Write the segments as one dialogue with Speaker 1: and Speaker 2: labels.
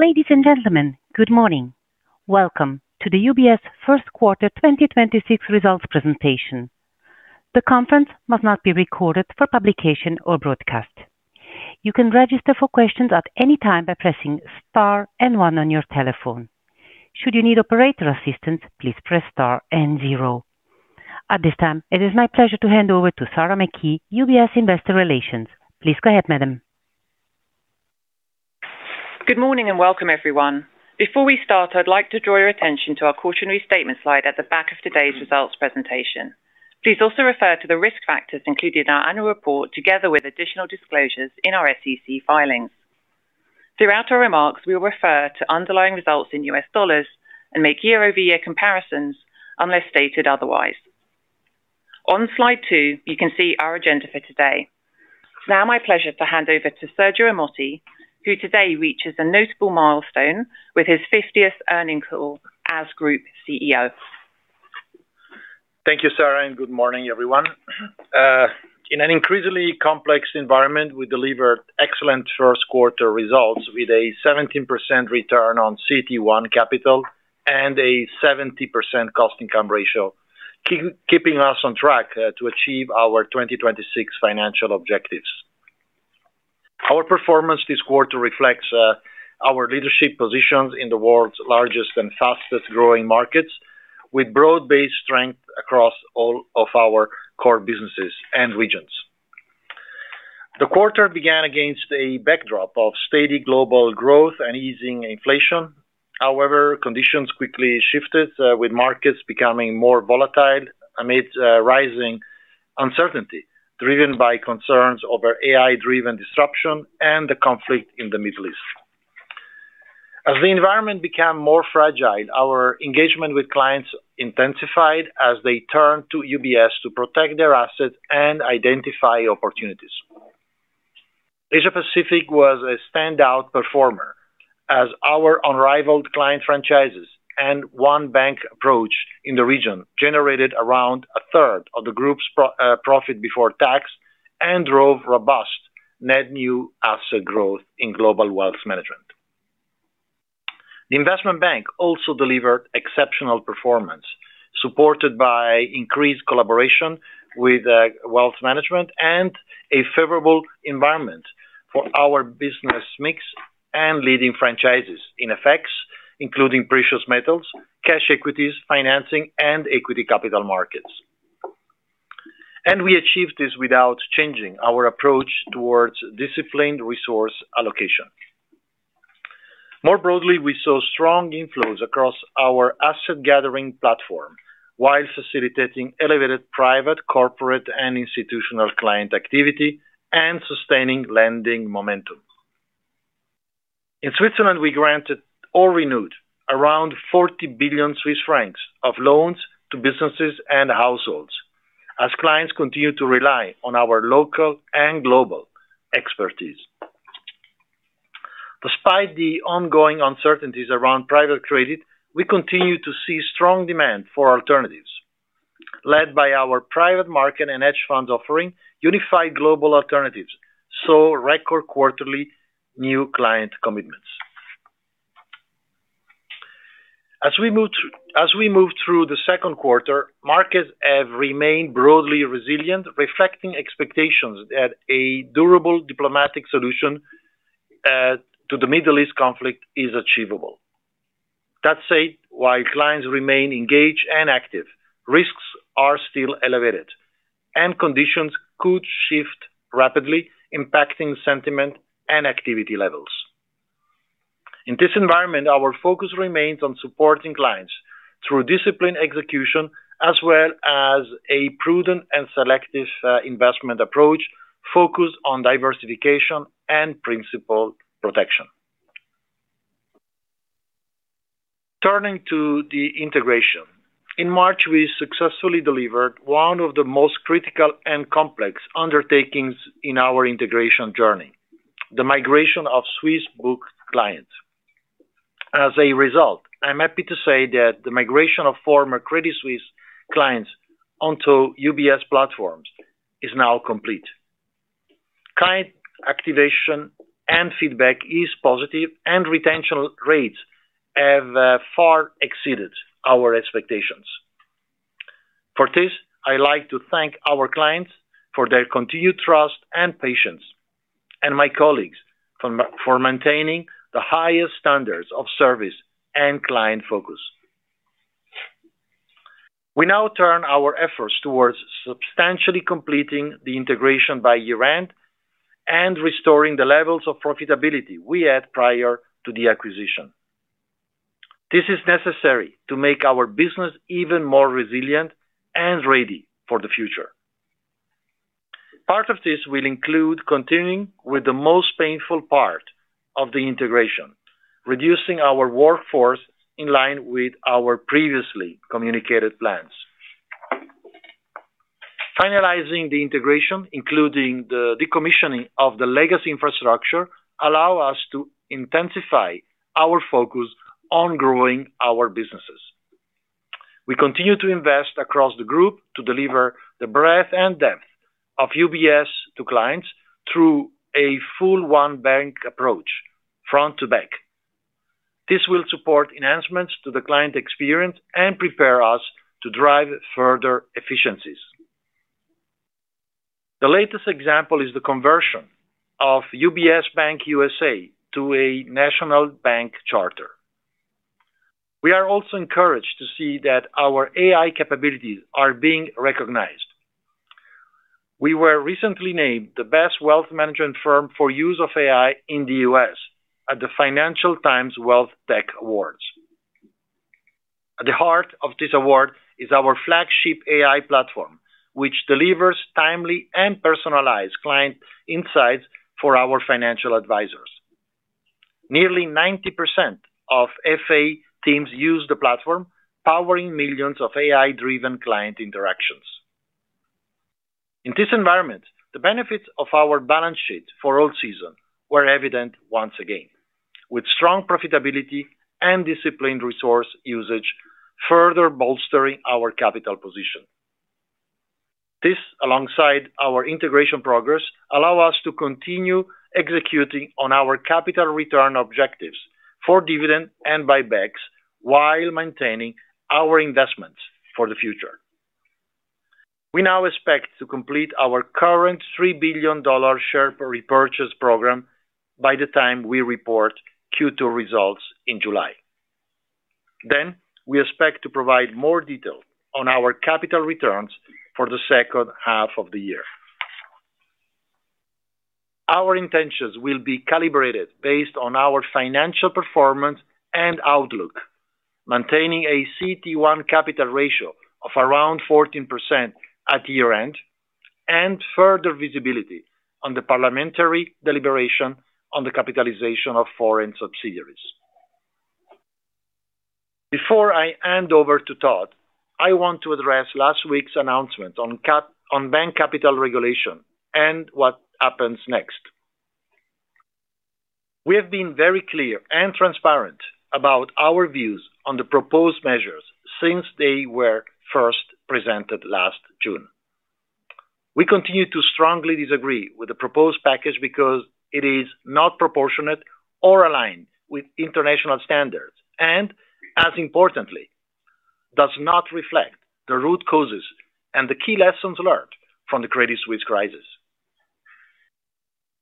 Speaker 1: Ladies and gentlemen, good morning. Welcome to the UBS first quarter 2026 results presentation. The conference must not be recorded for publication or broadcast. You can register for question at any time by pressing star and one on your telephone should need an operator assistant please press star and zero. At this time, it is my pleasure to hand over to Sarah Mackey, UBS Investor Relations. Please go ahead, madam.
Speaker 2: Good morning, welcome, everyone. Before we start, I'd like to draw your attention to our cautionary statement slide at the back of today's results presentation. Please also refer to the risk factors included in our annual report, together with additional disclosures in our SEC filings. Throughout our remarks, we'll refer to underlying results in US dollars and make year-over-year comparisons unless stated otherwise. On slide two, you can see our agenda for today. It's now my pleasure to hand over to Sergio Ermotti, who today reaches a notable milestone with his 50th earning call as Group CEO.
Speaker 3: Thank you, Sarah. Good morning, everyone. In an increasingly complex environment, we delivered excellent first quarter results with a 17% return on CET1 capital and a 70% cost-income ratio, keeping us on track to achieve our 2026 financial objectives. Our performance this quarter reflects our leadership positions in the world's largest and fastest-growing markets with broad-based strength across all of our core businesses and regions. The quarter began against a backdrop of steady global growth and easing inflation. Conditions quickly shifted with markets becoming more volatile amid rising uncertainty driven by concerns over AI-driven disruption and the conflict in the Middle East. As the environment became more fragile, our engagement with clients intensified as they turned to UBS to protect their assets and identify opportunities. Asia Pacific was a standout performer as our unrivaled client franchises and one bank approach in the region generated around 1/3 of the Group's Profit Before Tax and drove robust net new asset growth in Global Wealth Management. The Investment Bank also delivered exceptional performance, supported by increased collaboration with Wealth Management and a favorable environment for our business mix and leading franchises in FX, including precious metals, cash equities, financing, and ECM. We achieved this without changing our approach towards disciplined resource allocation. More broadly, we saw strong inflows across our asset gathering platform while facilitating elevated private, corporate, and institutional client activity and sustaining lending momentum. In Switzerland, we granted or renewed around 40 billion Swiss francs of loans to businesses and households as clients continue to rely on our local and global expertise. Despite the ongoing uncertainties around private credit, we continue to see strong demand for alternatives, led by our private market and hedge funds offering Unified Global Alternatives, saw record quarterly new client commitments. As we move through the second quarter, markets have remained broadly resilient, reflecting expectations that a durable diplomatic solution to the Middle East conflict is achievable. That said, while clients remain engaged and active, risks are still elevated, and conditions could shift rapidly, impacting sentiment and activity levels. In this environment, our focus remains on supporting clients through disciplined execution as well as a prudent and selective investment approach focused on diversification and principal protection. Turning to the integration. In March, we successfully delivered one of the most critical and complex undertakings in our integration journey, the migration of Swiss book clients. As a result, I'm happy to say that the migration of former Credit Suisse clients onto UBS platforms is now complete. Client activation and feedback is positive, and retention rates have far exceeded our expectations. For this, I like to thank our clients for their continued trust and patience, and my colleagues for maintaining the highest standards of service and client focus. We now turn our efforts towards substantially completing the integration by year-end and restoring the levels of profitability we had prior to the acquisition. This is necessary to make our business even more resilient and ready for the future. Part of this will include continuing with the most painful part of the integration, reducing our workforce in line with our previously communicated plans. Finalizing the integration, including the decommissioning of the legacy infrastructure, allow us to intensify our focus on growing our businesses. We continue to invest across the group to deliver the breadth and depth of UBS to clients through a full one bank approach, front to back. This will support enhancements to the client experience and prepare us to drive further efficiencies. The latest example is the conversion of UBS Bank USA to a national bank charter. We are also encouraged to see that our AI capabilities are being recognized. We were recently named the best wealth management firm for use of AI in the U.S. at the Financial Times Wealth Tech Awards. At the heart of this award is our flagship AI platform, which delivers timely and personalized client insights for our financial advisors. Nearly 90% of FA teams use the platform, powering millions of AI-driven client interactions. In this environment, the benefits of our balance sheet for all season were evident once again, with strong profitability and disciplined resource usage, further bolstering our capital position. This, alongside our integration progress, allow us to continue executing on our capital return objectives for dividend and buybacks while maintaining our investments for the future. We now expect to complete our current $3 billion share repurchase program by the time we report Q2 results in July. We expect to provide more detail on our capital returns for the second half of the year. Our intentions will be calibrated based on our financial performance and outlook, maintaining a CET1 capital ratio of around 14% at year-end, and further visibility on the parliamentary deliberation on the capitalization of foreign subsidiaries. Before I hand over to Todd, I want to address last week's announcement on bank capital regulation and what happens next. We have been very clear and transparent about our views on the proposed measures since they were first presented last June. We continue to strongly disagree with the proposed package because it is not proportionate or aligned with international standards, and as importantly, does not reflect the root causes and the key lessons learned from the Credit Suisse crisis.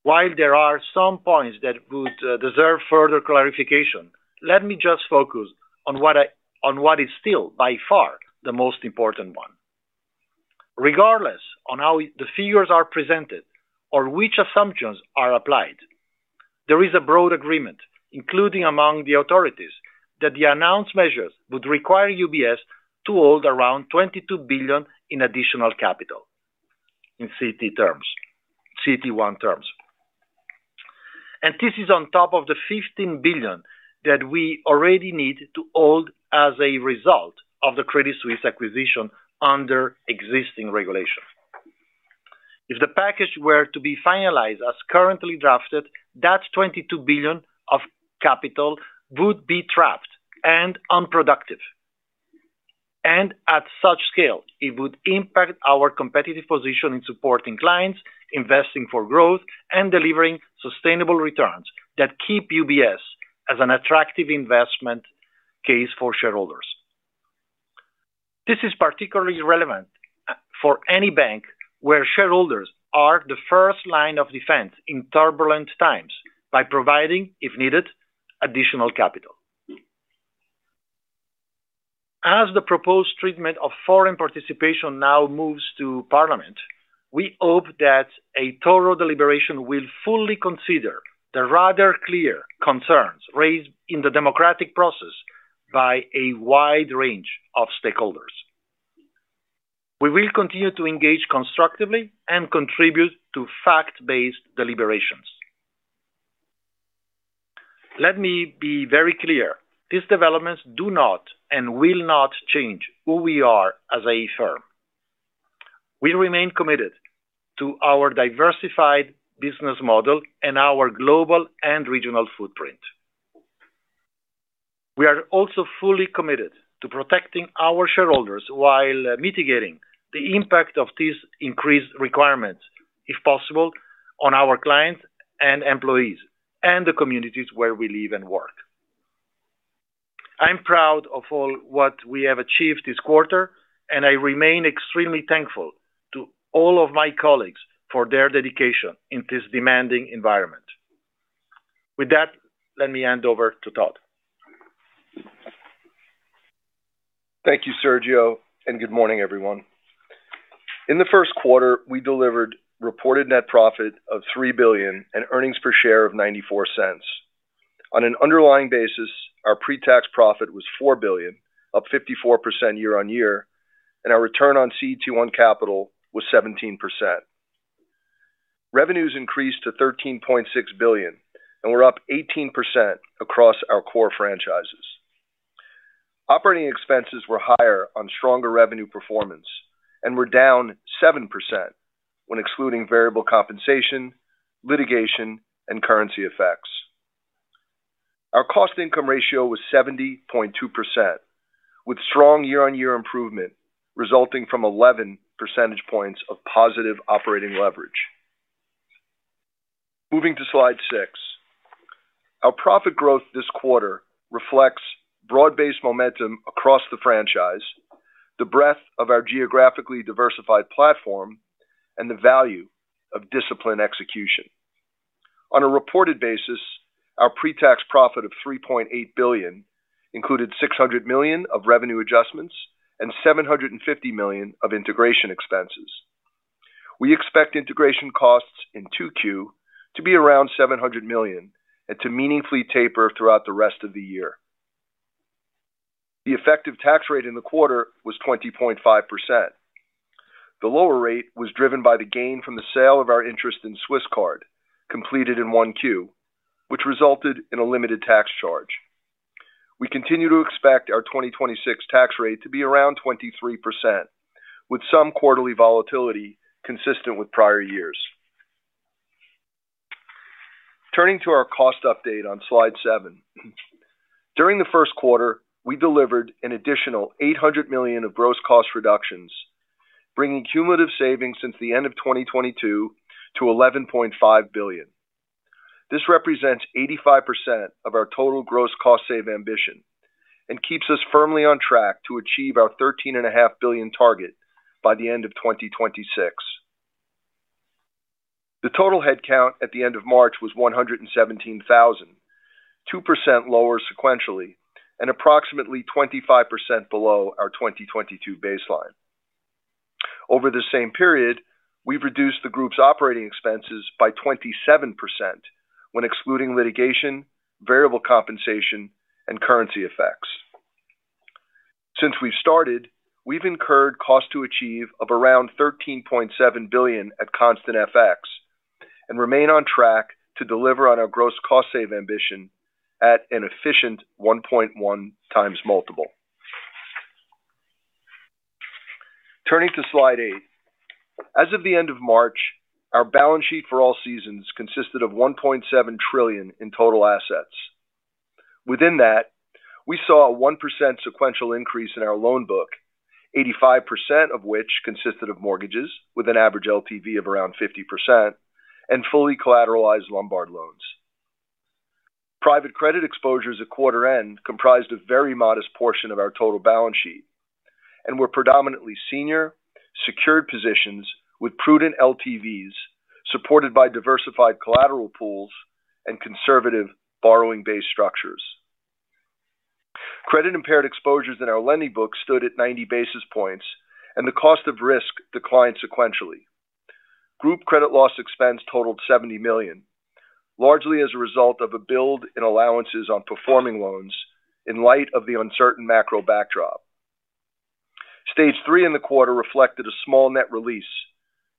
Speaker 3: There are some points that would deserve further clarification, let me just focus on what is still by far the most important one. Regardless on how the figures are presented or which assumptions are applied, there is a broad agreement, including among the authorities, that the announced measures would require UBS to hold around 22 billion in additional capital in CET1 terms. This is on top of the 15 billion that we already need to hold as a result of the Credit Suisse acquisition under existing regulations. If the package were to be finalized as currently drafted, that 22 billion of capital would be trapped and unproductive. At such scale, it would impact our competitive position in supporting clients, investing for growth, and delivering sustainable returns that keep UBS as an attractive investment case for shareholders. This is particularly relevant for any bank where shareholders are the first line of defense in turbulent times by providing, if needed, additional capital. As the proposed treatment of foreign participation now moves to parliament, we hope that a total deliberation will fully consider the rather clear concerns raised in the democratic process by a wide range of stakeholders. We will continue to engage constructively and contribute to fact-based deliberations. Let me be very clear. These developments do not and will not change who we are as a firm. We remain committed to our diversified business model and our global and regional footprint. We are also fully committed to protecting our shareholders while mitigating the impact of these increased requirements, if possible, on our clients and employees and the communities where we live and work. I'm proud of all what we have achieved this quarter, and I remain extremely thankful to all of my colleagues for their dedication in this demanding environment. With that, let me hand over to Todd.
Speaker 4: Thank you, Sergio, and good morning, everyone. In the first quarter, we delivered reported net profit of 3 billion and earnings per share of 0.94. On an underlying basis, our pre-tax profit was 4 billion, up 54% year-on-year, and our return on CET1 capital was 17%. Revenues increased to CHF 13.6 billion, and we're up 18% across our core franchises. Operating expenses were higher on stronger revenue performance and were down 7% when excluding variable compensation, litigation, and currency effects. Our cost income ratio was 70.2%, with strong year-on-year improvement resulting from 11 percentage points of positive operating leverage. Moving to slide six. Our profit growth this quarter reflects broad-based momentum across the franchise, the breadth of our geographically diversified platform, and the value of disciplined execution. On a reported basis, our pre-tax profit of 3.8 billion included 600 million of revenue adjustments and 750 million of integration expenses. We expect integration costs in 2Q to be around 700 million and to meaningfully taper throughout the rest of the year. The effective tax rate in the quarter was 20.5%. The lower rate was driven by the gain from the sale of our interest in Swisscard completed in 1Q, which resulted in a limited tax charge. We continue to expect our 2026 tax rate to be around 23%, with some quarterly volatility consistent with prior years. Turning to our cost update on slide seven. During the first quarter, we delivered an additional 800 million of gross cost reductions, bringing cumulative savings since the end of 2022 to 11.5 billion. This represents 85% of our total gross cost save ambition and keeps us firmly on track to achieve our 13.5 billion target by the end of 2026. The total headcount at the end of March was 117,000, 2% lower sequentially, and approximately 25% below our 2022 baseline. Over the same period, we've reduced the group's operating expenses by 27% when excluding litigation, variable compensation, and currency effects. Since we started, we've incurred cost to achieve of around 13.7 billion at constant FX and remain on track to deliver on our gross cost save ambition at an efficient 1.1x multiple. Turning to slide eight. As of the end of March, our balance sheet for All Seasons consisted of 1.7 trillion in total assets. Within that, we saw a 1% sequential increase in our loan book, 85% of which consisted of mortgages with an average LTV of around 50% and fully collateralized Lombard loans. Private credit exposures at quarter end comprised a very modest portion of our total balance sheet and were predominantly senior, secured positions with prudent LTVs, supported by diversified collateral pools and conservative borrowing-based structures. Credit-impaired exposures in our lending book stood at 90 basis points, and the cost of risk declined sequentially. Group credit loss expense totaled 70 million, largely as a result of a build in allowances on performing loans in light of the uncertain macro backdrop. Stage three in the quarter reflected a small net release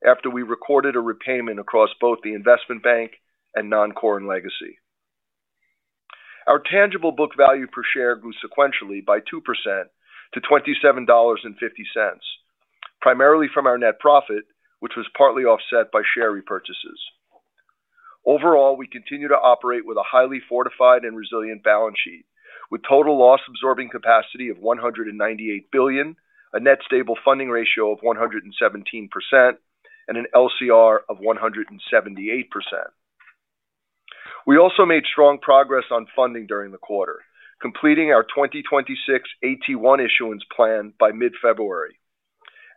Speaker 4: after we recorded a repayment across both the Investment Bank and Non-core and Legacy. Our tangible book value per share grew sequentially by 2% to $27.50, primarily from our net profit, which was partly offset by share repurchases. Overall, we continue to operate with a highly fortified and resilient balance sheet with total loss-absorbing capacity of 198 billion, a net stable funding ratio of 117%, and an LCR of 178%. We also made strong progress on funding during the quarter, completing our 2026 AT1 issuance plan by mid-February.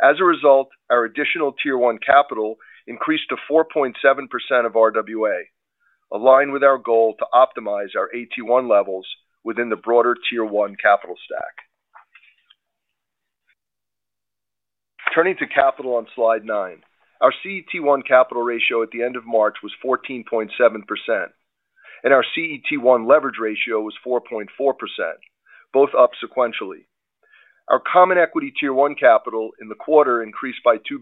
Speaker 4: As a result, our additional Tier 1 capital increased to 4.7% of RWA, aligned with our goal to optimize our AT1 levels within the broader Tier 1 capital stack. Turning to capital on slide nine. Our CET1 capital ratio at the end of March was 14.7%, and our CET1 leverage ratio was 4.4%, both up sequentially. Our Common Equity Tier 1 capital in the quarter increased by 2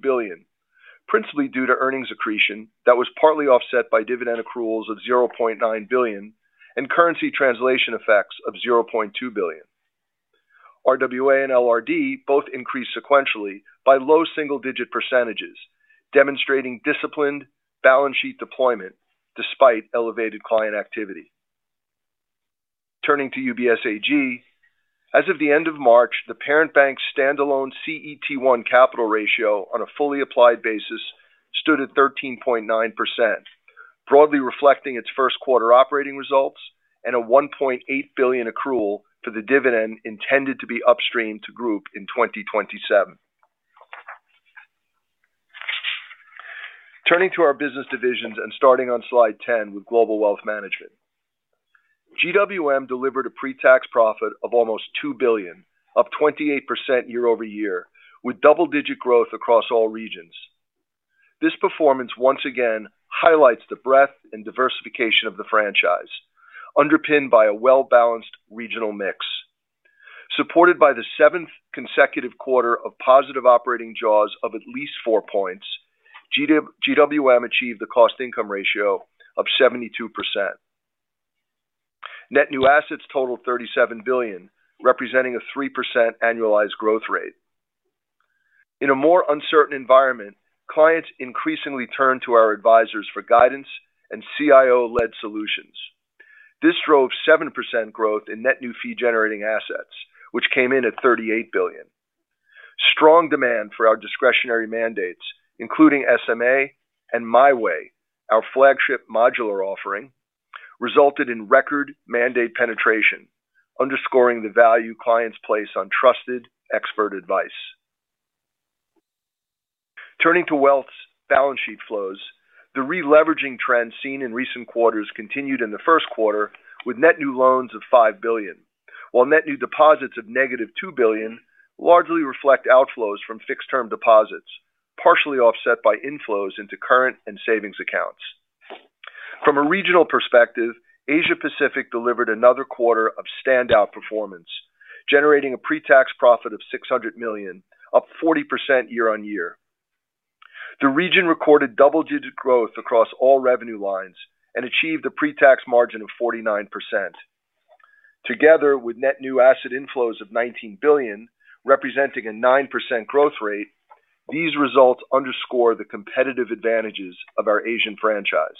Speaker 4: billion, principally due to earnings accretion that was partly offset by dividend accruals of 0.9 billion and currency translation effects of 0.2 billion. RWA and LRD both increased sequentially by low single-digit percentages, demonstrating disciplined balance sheet deployment despite elevated client activity. Turning to UBS AG. As of the end of March, the parent bank's standalone CET1 capital ratio on a fully applied basis stood at 13.9%, broadly reflecting its first quarter operating results and a 1.8 billion accrual to the dividend intended to be upstreamed to group in 2027. Turning to our business divisions and starting on slide 10 with Global Wealth Management. GWM delivered a pre-tax profit of almost 2 billion, up 28% year-over-year, with double-digit growth across all regions. This performance once again highlights the breadth and diversification of the franchise, underpinned by a well-balanced regional mix. Supported by the 7th consecutive quarter of positive operating jaws of at least four points, GWM achieved a cost income ratio of 72%. Net new assets totaled CHF 37 billion, representing a 3% annualized growth rate. In a more uncertain environment, clients increasingly turn to our advisors for guidance and CIO-led solutions. This drove 7% growth in net new fee-generating assets, which came in at 38 billion. Strong demand for our discretionary mandates, including SMA and My Way, our flagship modular offering, resulted in record mandate penetration, underscoring the value clients place on trusted expert advice. Turning to Wealth's balance sheet flows, the re-leveraging trend seen in recent quarters continued in the first quarter with net new loans of 5 billion. While net new deposits of negative 2 billion largely reflect outflows from fixed-term deposits, partially offset by inflows into current and savings accounts. From a regional perspective, Asia Pacific delivered another quarter of standout performance, generating a pre-tax profit of 600 million, up 40% year-on-year. The region recorded double-digit growth across all revenue lines and achieved a pre-tax margin of 49%. Together with net new asset inflows of 19 billion, representing a 9% growth rate, these results underscore the competitive advantages of our Asian franchise.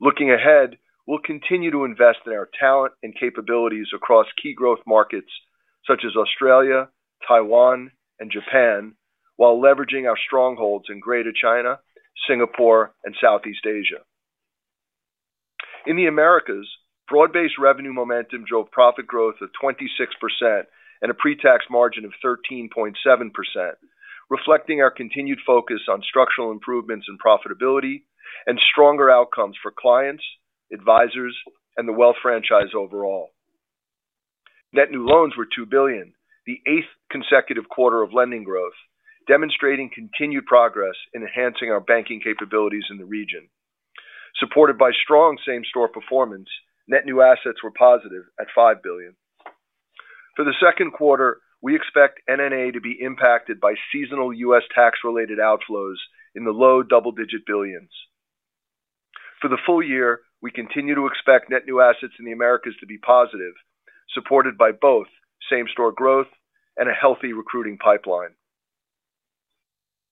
Speaker 4: Looking ahead, we will continue to invest in our talent and capabilities across key growth markets such as Australia, Taiwan, and Japan, while leveraging our strongholds in Greater China, Singapore, and Southeast Asia. In the Americas, broad-based revenue momentum drove profit growth of 26% and a pre-tax margin of 13.7%, reflecting our continued focus on structural improvements in profitability and stronger outcomes for clients, advisors, and the wealth franchise overall. Net new loans were 2 billion, the 8th consecutive quarter of lending growth, demonstrating continued progress in enhancing our banking capabilities in the region. Supported by strong same-store performance, net new assets were positive at 5 billion. For the second quarter, we expect NNA to be impacted by seasonal U.S. tax-related outflows in the CHF low double-digit billions. For the full year, we continue to expect net new assets in the Americas to be positive, supported by both same-store growth and a healthy recruiting pipeline.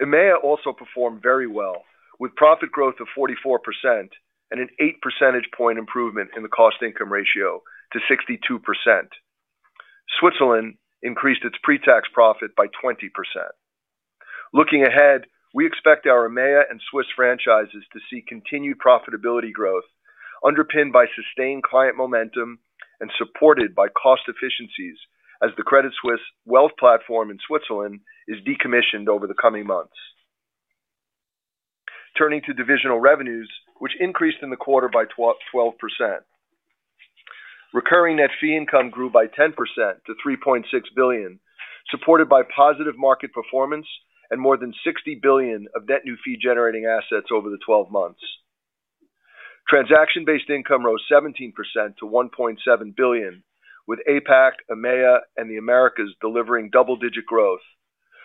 Speaker 4: EMEA also performed very well, with profit growth of 44% and an 8 percentage point improvement in the cost-income ratio to 62%. Switzerland increased its pre-tax profit by 20%. Looking ahead, we expect our EMEA and Swiss franchises to see continued profitability growth underpinned by sustained client momentum and supported by cost efficiencies as the Credit Suisse wealth platform in Switzerland is decommissioned over the coming months. Turning to divisional revenues, which increased in the quarter by 12%. Recurring net fee income grew by 10% to 3.6 billion, supported by positive market performance and more than 60 billion of net new fee-generating assets over the 12 months. Transaction-based income rose 17% to 1.7 billion, with APAC, EMEA, and the Americas delivering double-digit growth,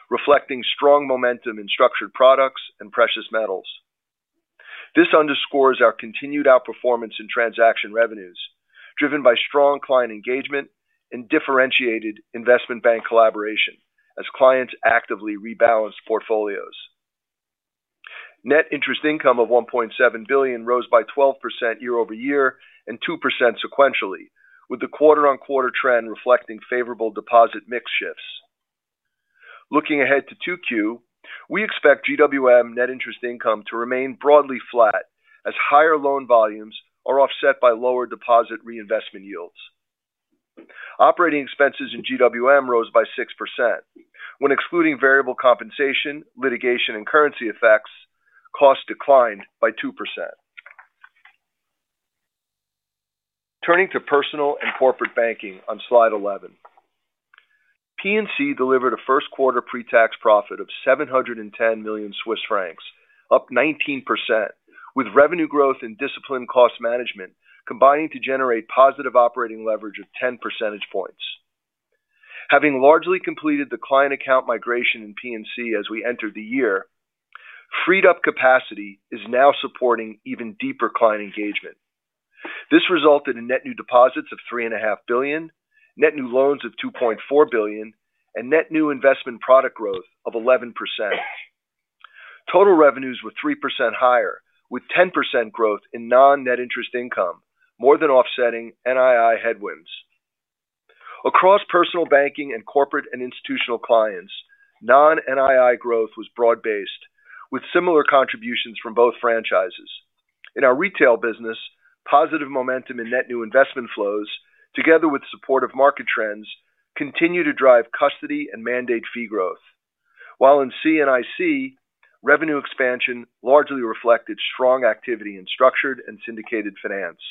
Speaker 4: reflecting strong momentum in structured products and precious metals. This underscores our continued outperformance in transaction revenues, driven by strong client engagement and differentiated investment bank collaboration as clients actively rebalance portfolios. Net interest income of 1.7 billion rose by 12% year-over-year and 2% sequentially, with the quarter-on-quarter trend reflecting favorable deposit mix shifts. Looking ahead to 2Q, we expect GWM net interest income to remain broadly flat as higher loan volumes are offset by lower deposit reinvestment yields. Operating expenses in GWM rose by 6%. When excluding variable compensation, litigation, and currency effects, costs declined by 2%. Turning to Personal & Corporate Banking on slide 11. P&C delivered a first quarter pre-tax profit of 710 million Swiss francs, up 19%, with revenue growth and disciplined cost management combining to generate positive operating leverage of 10 percentage points. Having largely completed the client account migration in P&C as we entered the year, freed-up capacity is now supporting even deeper client engagement. This resulted in net new deposits of 3.5 billion, net new loans of 2.4 billion, and net new investment product growth of 11%. Total revenues were 3% higher, with 10% growth in non-NII, more than offsetting NII headwinds. Across Personal Banking and Corporate & Institutional Clients, non-NII growth was broad-based, with similar contributions from both franchises. In our retail business, positive momentum in net new investment flows, together with supportive market trends, continue to drive custody and mandate fee growth. While in C&IC, revenue expansion largely reflected strong activity in structured and syndicated finance.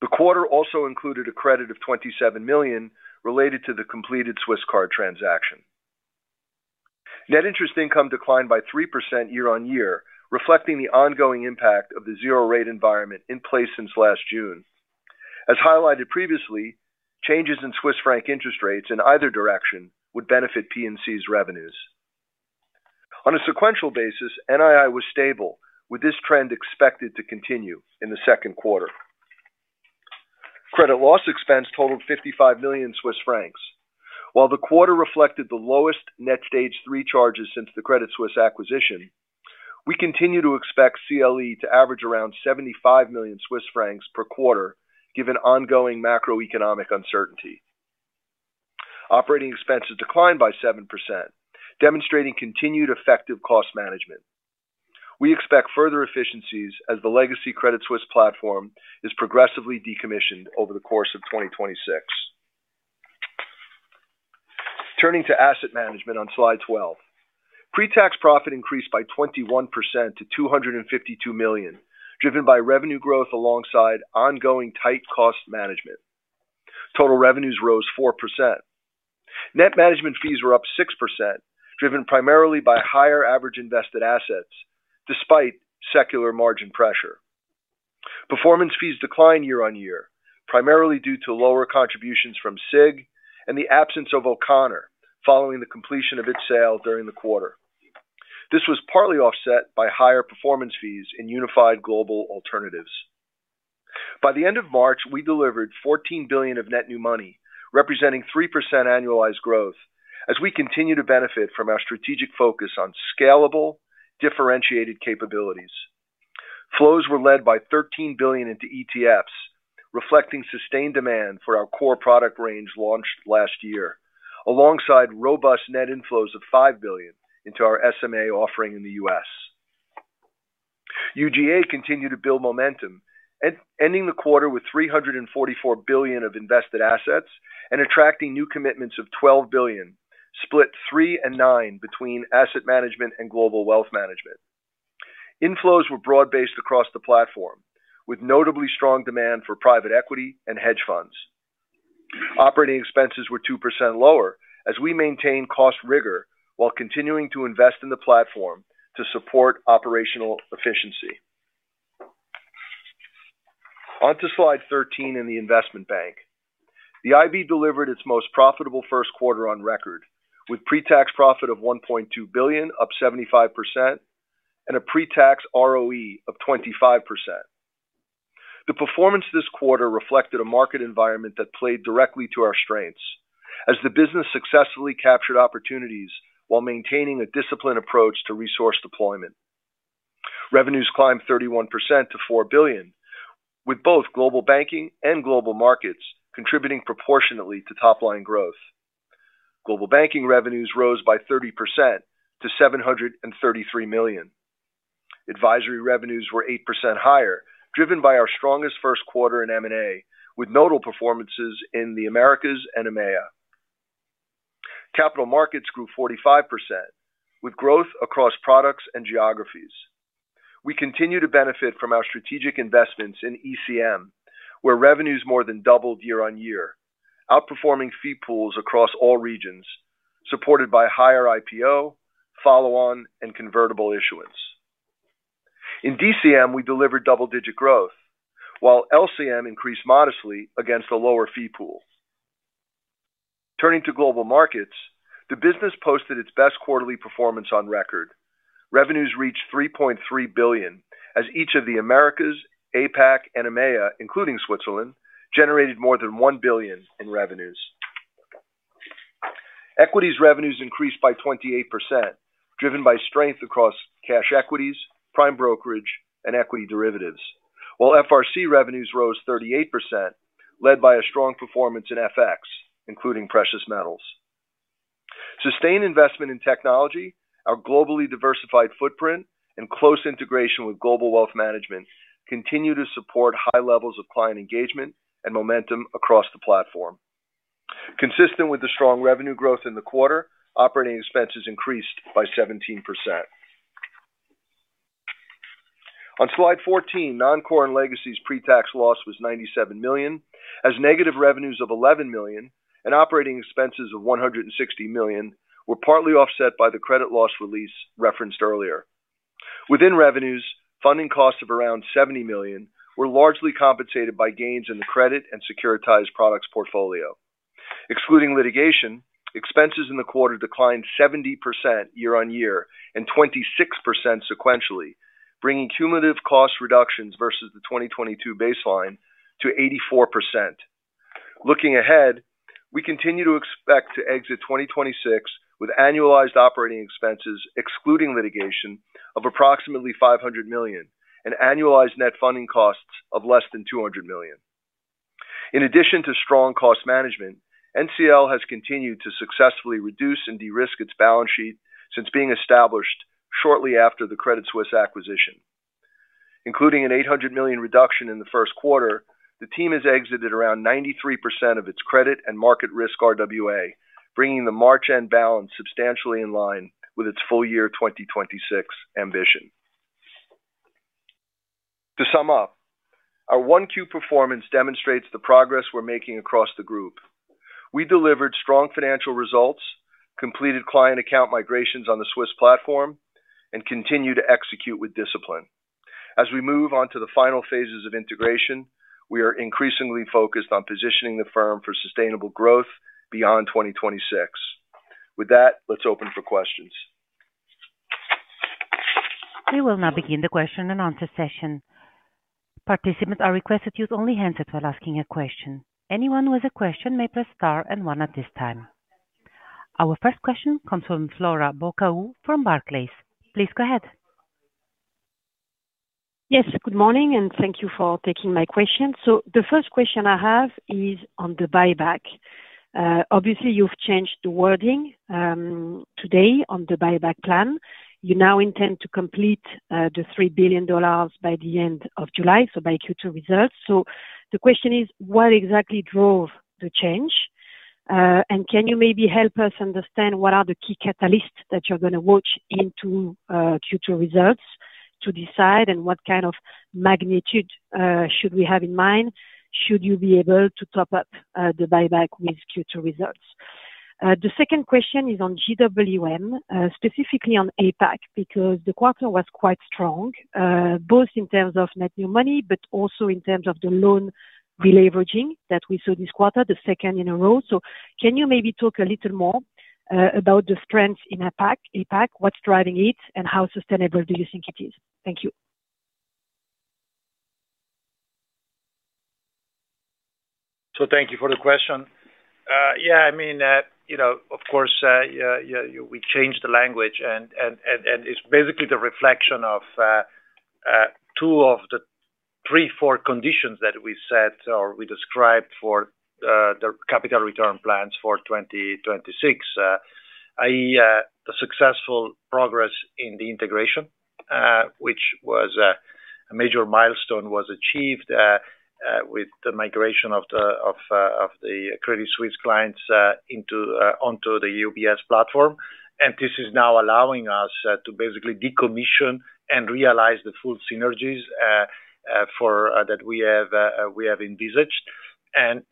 Speaker 4: The quarter also included a credit of 27 million related to the completed Swisscard transaction. Net interest income declined by 3% year-on-year, reflecting the ongoing impact of the zero rate environment in place since last June. As highlighted previously, changes in Swiss franc interest rates in either direction would benefit P&C's revenues. On a sequential basis, NII was stable, with this trend expected to continue in the second quarter. Credit loss expense totaled 55 million Swiss francs. While the quarter reflected the lowest net stage three charges since the Credit Suisse acquisition, we continue to expect CLE to average around 75 million Swiss francs per quarter given ongoing macroeconomic uncertainty. Operating expenses declined by 7%, demonstrating continued effective cost management. We expect further efficiencies as the legacy Credit Suisse platform is progressively decommissioned over the course of 2026. Turning to asset management on slide 12. Pre-tax profit increased by 21% to 252 million, driven by revenue growth alongside ongoing tight cost management. Total revenues rose 4%. Net management fees were up 6%, driven primarily by higher average invested assets despite secular margin pressure. Performance fees declined year-on-year, primarily due to lower contributions from SIG and the absence of O'Connor following the completion of its sale during the quarter. This was partly offset by higher performance fees in Unified Global Alternatives. By the end of March, we delivered 14 billion of net new money, representing 3% annualized growth as we continue to benefit from our strategic focus on scalable, differentiated capabilities. Flows were led by 13 billion into ETFs, reflecting sustained demand for our core product range launched last year, alongside robust net inflows of 5 billion into our SMA offering in the U.S. UGA continued to build momentum, ending the quarter with 344 billion of invested assets and attracting new commitments of 12 billion, split three and nine between Asset Management and Global Wealth Management. Inflows were broad-based across the platform, with notably strong demand for private equity and hedge funds. Operating expenses were 2% lower as we maintain cost rigor while continuing to invest in the platform to support operational efficiency. Onto slide 13 in the Investment Bank. The IB delivered its most profitable first quarter on record, with pre-tax profit of 1.2 billion, up 75%, and a pre-tax ROE of 25%. The performance this quarter reflected a market environment that played directly to our strengths as the business successfully captured opportunities while maintaining a disciplined approach to resource deployment. Revenues climbed 31% to 4 billion, with both Global Banking and Global Markets contributing proportionately to top-line growth. Global Banking revenues rose by 30% to 733 million. Advisory revenues were 8% higher, driven by our strongest first quarter in M&A, with notable performances in the Americas and EMEA. Capital markets grew 45%, with growth across products and geographies. We continue to benefit from our strategic investments in ECM, where revenues more than doubled year-over-year, outperforming fee pools across all regions, supported by higher IPO, follow-on, and convertible issuance. In DCM, we delivered double-digit growth, while LCM increased modestly against a lower fee pool. Turning to Global Markets, the business posted its best quarterly performance on record. Revenues reached 3.3 billion as each of the Americas, APAC, and EMEA, including Switzerland, generated more than 1 billion in revenues. Equities revenues increased by 28%, driven by strength across cash equities, prime brokerage, and equity derivatives. While FRC revenues rose 38%, led by a strong performance in FX, including precious metals. Sustained investment in technology, our globally diversified footprint, and close integration with Global Wealth Management continue to support high levels of client engagement and momentum across the platform. Consistent with the strong revenue growth in the quarter, operating expenses increased by 17%. On slide 14, Non-core and Legacy's pre-tax loss was 97 million, as negative revenues of 11 million and operating expenses of 160 million were partly offset by the credit loss release referenced earlier. Within revenues, funding costs of around 70 million were largely compensated by gains in the credit and securitized products portfolio. Excluding litigation, expenses in the quarter declined 70% year-on-year and 26% sequentially, bringing cumulative cost reductions versus the 2022 baseline to 84%. Looking ahead, we continue to expect to exit 2026 with annualized operating expenses, excluding litigation, of approximately $500 million, and annualized net funding costs of less than $200 million. In addition to strong cost management, NCL has continued to successfully reduce and de-risk its balance sheet since being established shortly after the Credit Suisse acquisition. Including an $800 million reduction in the first quarter, the team has exited around 93% of its credit and market risk RWA, bringing the March-end balance substantially in line with its full year 2026 ambition. To sum up, our 1Q performance demonstrates the progress we're making across the group. We delivered strong financial results, completed client account migrations on the Swiss platform, and continue to execute with discipline. As we move on to the final phases of integration, we are increasingly focused on positioning the firm for sustainable growth beyond 2026. With that, let's open for questions.
Speaker 1: We will now begin the question-and-answer session. Participants are requested to use only hands up while asking a question. Anyone with a question may press star and one at this time. Our first question comes from Flora Bocahut from Barclays. Please go ahead.
Speaker 5: Yes, good morning, and thank you for taking my question. The first question I have is on the buyback. Obviously you've changed the wording today on the buyback plan. You now intend to complete the $3 billion by the end of July, so by Q2 results. The question is, what exactly drove the change? And can you maybe help us understand what are the key catalysts that you're gonna watch into Q2 results to decide, and what kind of magnitude should we have in mind? Should you be able to top up the buyback with Q2 results? The second question is on GWM, specifically on APAC, because the quarter was quite strong, both in terms of net new money but also in terms of the loan releveraging that we saw this quarter, the second in a row. Can you maybe talk a little more about the strength in APAC, what's driving it, and how sustainable do you think it is? Thank you.
Speaker 3: Thank you for the question. We changed the language and it's basically the reflection of two of the three, four conditions that we set or we described for the capital return plans for 2026. I.e., the successful progress in the integration, which was a major milestone was achieved with the migration of the Credit Suisse clients onto the UBS platform. This is now allowing us to basically decommission and realize the full synergies for that we have envisaged. Then,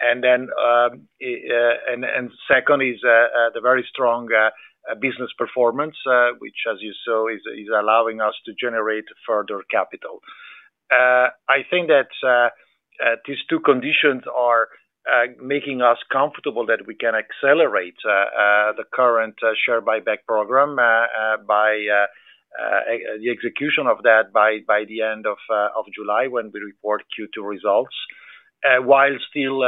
Speaker 3: second is the very strong business performance, which as you saw, is allowing us to generate further capital. I think that these two conditions are making us comfortable that we can accelerate the current share buyback program by the execution of that by the end of July when we report Q2 results, while still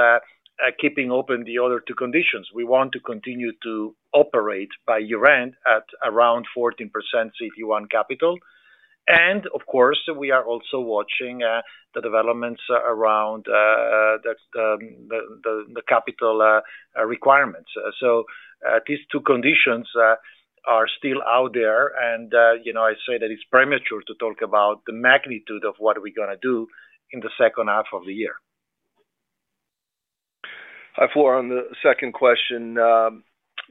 Speaker 3: keeping open the other two conditions. We want to continue to operate by year-end at around 14% CET1 capital. Of course, we are also watching the developments around the capital requirements. These two conditions are still out there. You know, I say that it's premature to talk about the magnitude of what are we gonna do in the second half of the year.
Speaker 4: Flora, on the second question,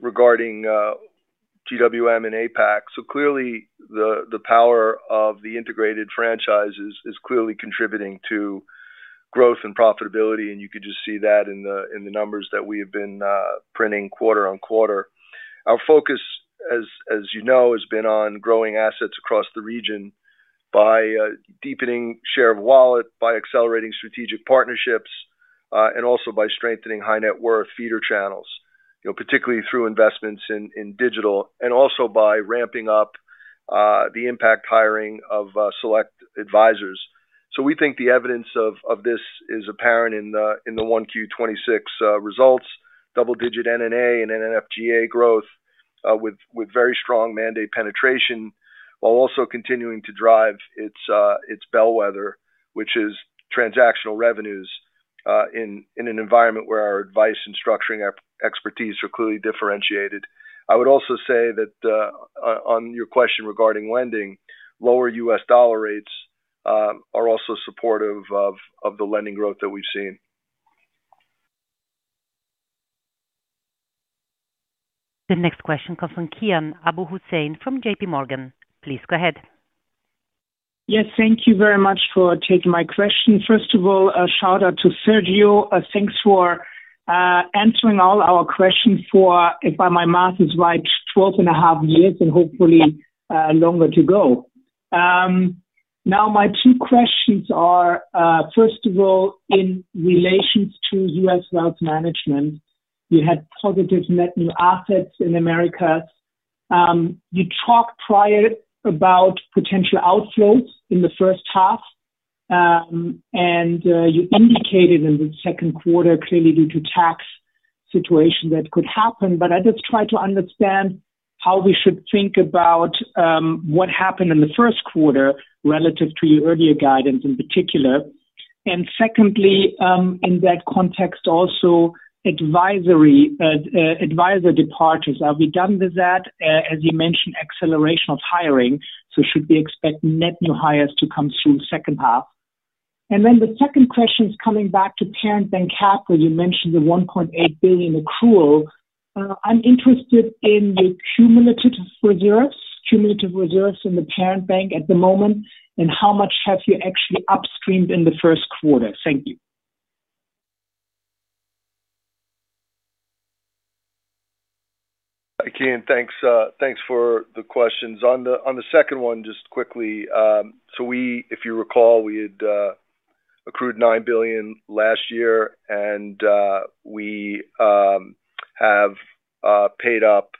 Speaker 4: regarding GWM and APAC. Clearly, the power of the integrated franchises is clearly contributing to growth and profitability, and you could just see that in the numbers that we have been printing quarter-on-quarter. Our focus, as you know, has been on growing assets across the region by deepening share of wallet, by accelerating strategic partnerships, and also by strengthening high net worth feeder channels, you know, particularly through investments in digital, and also by ramping up the impact hiring of select advisors. We think the evidence of this is apparent in the 1Q26 results, double-digit NNA and NNFGA growth with very strong mandate penetration, while also continuing to drive its bellwether, which is transactional revenues, in an environment where our advice and structuring expertise are clearly differentiated. I would also say that on your question regarding lending, lower US dollar rates are also supportive of the lending growth that we've seen.
Speaker 1: The next question comes from Kian Abouhossein from JPMorgan. Please go ahead.
Speaker 6: Yes, thank you very much for taking my question. First of all, a shout-out to Sergio. Thanks for answering all our questions for, if my math is right, 12 and a half years and hopefully longer to go. Now my two questions are, first of all, in relations to U.S. wealth management, you had positive net new assets in America. You talked prior about potential outflows in the first half, and you indicated in the second quarter clearly due to tax situation that could happen. I just try to understand how we should think about what happened in the first quarter relative to your earlier guidance in particular. Secondly, in that context also, advisor departures. Are we done with that? As you mentioned, acceleration of hiring, so should we expect net new hires to come through second half? The second question is coming back to parent bank capital. You mentioned the 1.8 billion accrual. I'm interested in the cumulative reserves in the parent bank at the moment, and how much have you actually upstreamed in the first quarter? Thank you.
Speaker 4: Hi, Kian. Thanks, thanks for the questions. On the, on the second one, just quickly. If you recall, we had accrued 9 billion last year, and we have paid up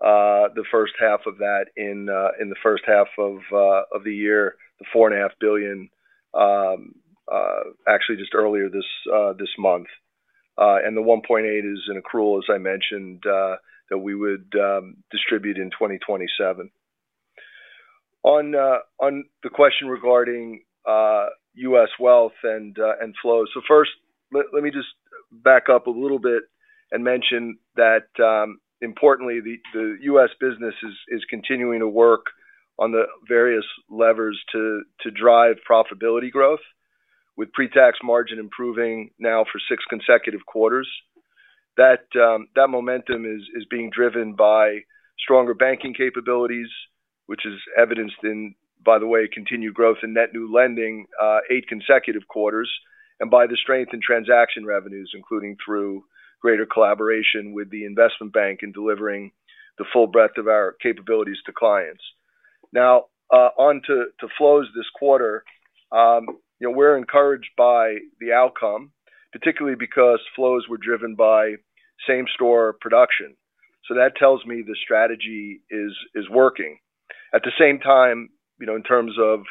Speaker 4: the first half of that in the first half of the year. The 4.5 Billion actually just earlier this month. The 1.8 is an accrual, as I mentioned, that we would distribute in 2027. The question regarding U.S. wealth and flows. First, let me just back up a little bit and mention that importantly, the U.S. business is continuing to work on the various levers to drive profitability growth, with pre-tax margin improving now for 6 consecutive quarters. That momentum is being driven by stronger banking capabilities, which is evidenced in, by the way, continued growth in net new lending, eight consecutive quarters, and by the strength in transaction revenues, including through greater collaboration with the Investment Bank in delivering the full breadth of our capabilities to clients. Onto flows this quarter. You know, we're encouraged by the outcome, particularly because flows were driven by same-store production. That tells me the strategy is working. At the same time, you know, in terms of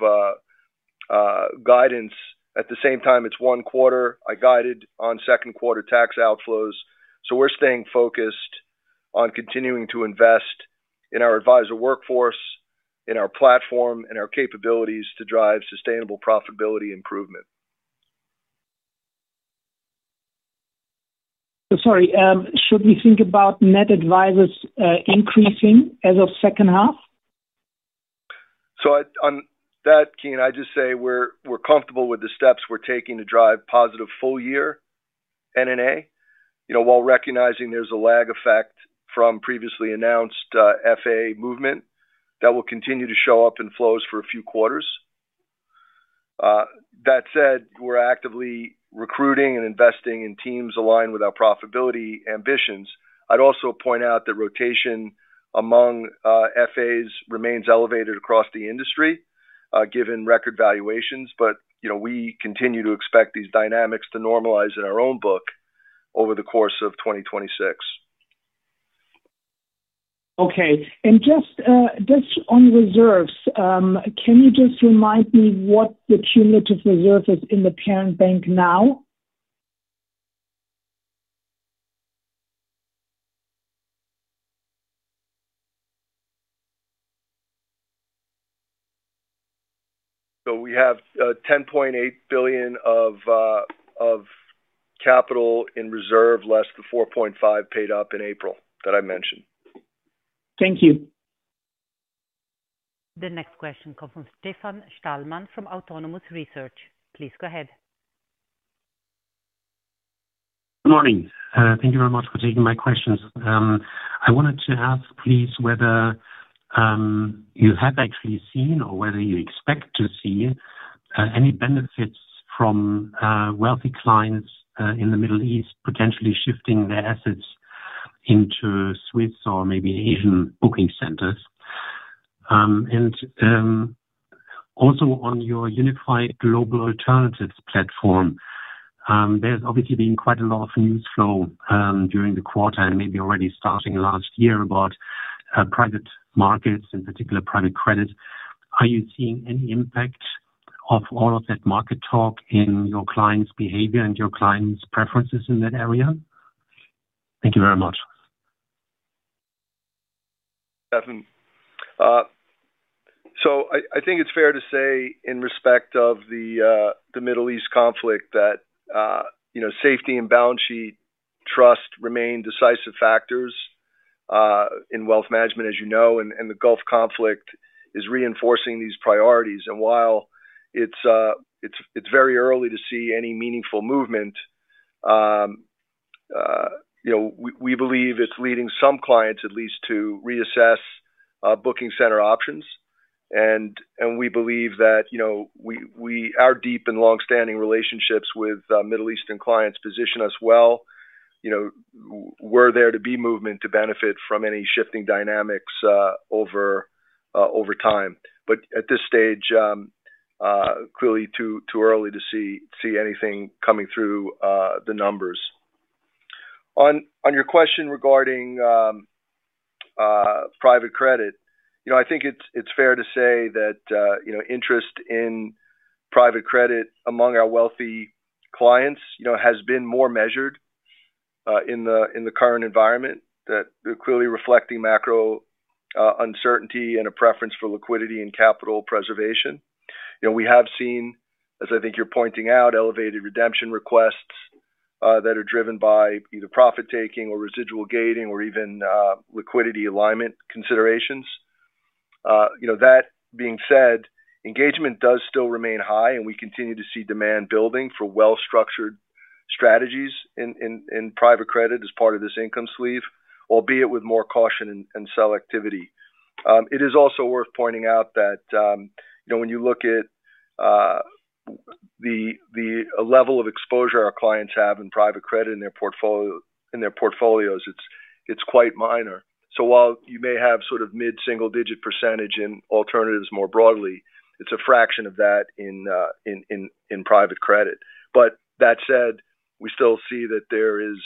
Speaker 4: guidance, it's one quarter. I guided on second quarter tax outflows. We're staying focused on continuing to invest in our advisor workforce, in our platform, in our capabilities to drive sustainable profitability improvement.
Speaker 6: Sorry. Should we think about net advisors increasing as of second half?
Speaker 4: On that, Kian, I'd just say we're comfortable with the steps we're taking to drive positive full year NNA. You know, while recognizing there's a lag effect from previously announced FA movement that will continue to show up in flows for a few quarters. That said, we're actively recruiting and investing in teams aligned with our profitability ambitions. I'd also point out that rotation among FAs remains elevated across the industry, given record valuations. You know, we continue to expect these dynamics to normalize in our own book over the course of 2026.
Speaker 6: Okay. Just, just on reserves, can you just remind me what the cumulative reserve is in the parent bank now?
Speaker 4: We have 10.8 billion of capital in reserve, less the 4.5 billion paid up in April that I mentioned.
Speaker 6: Thank you.
Speaker 1: The next question comes from Stefan Stalmann from Autonomous Research. Please go ahead.
Speaker 7: Good morning. Thank you very much for taking my questions. I wanted to ask please whether you have actually seen or whether you expect to see any benefits from wealthy clients in the Middle East potentially shifting their assets into Swiss or maybe Asian booking centers. Also on your Unified Global Alternatives platform, there's obviously been quite a lot of news flow during the quarter and maybe already starting last year about private markets, in particular private credit. Are you seeing any impact of all of that market talk in your clients' behavior and your clients' preferences in that area? Thank you very much.
Speaker 4: Stefan, I think it's fair to say in respect of the Middle East conflict that, you know, safety and balance sheet trust remain decisive factors in wealth management, as you know, and the Gulf conflict is reinforcing these priorities. While it's very early to see any meaningful movement, you know, we believe it's leading some clients at least to reassess booking center options. We believe that, you know, our deep and long-standing relationships with Middle Eastern clients position us well. You know, we're there to be movement to benefit from any shifting dynamics over time. At this stage, clearly too early to see anything coming through the numbers. On your question regarding private credit. You know, I think it's fair to say that, you know, interest in private credit among our wealthy clients, you know, has been more measured, in the current environment that they're clearly reflecting macro, uncertainty and a preference for liquidity and capital preservation. You know, we have seen, as I think you're pointing out, elevated redemption requests, that are driven by either profit-taking or residual gating or even liquidity alignment considerations. You know, that being said, engagement does still remain high, and we continue to see demand building for well-structured strategies in private credit as part of this income sleeve, albeit with more caution and selectivity. It is also worth pointing out that, you know, when you look at the level of exposure our clients have in private credit in their portfolios, It's quite minor. While you may have sort of mid-single digit percentage in alternatives more broadly, it's a fraction of that in private credit. That said, we still see that there is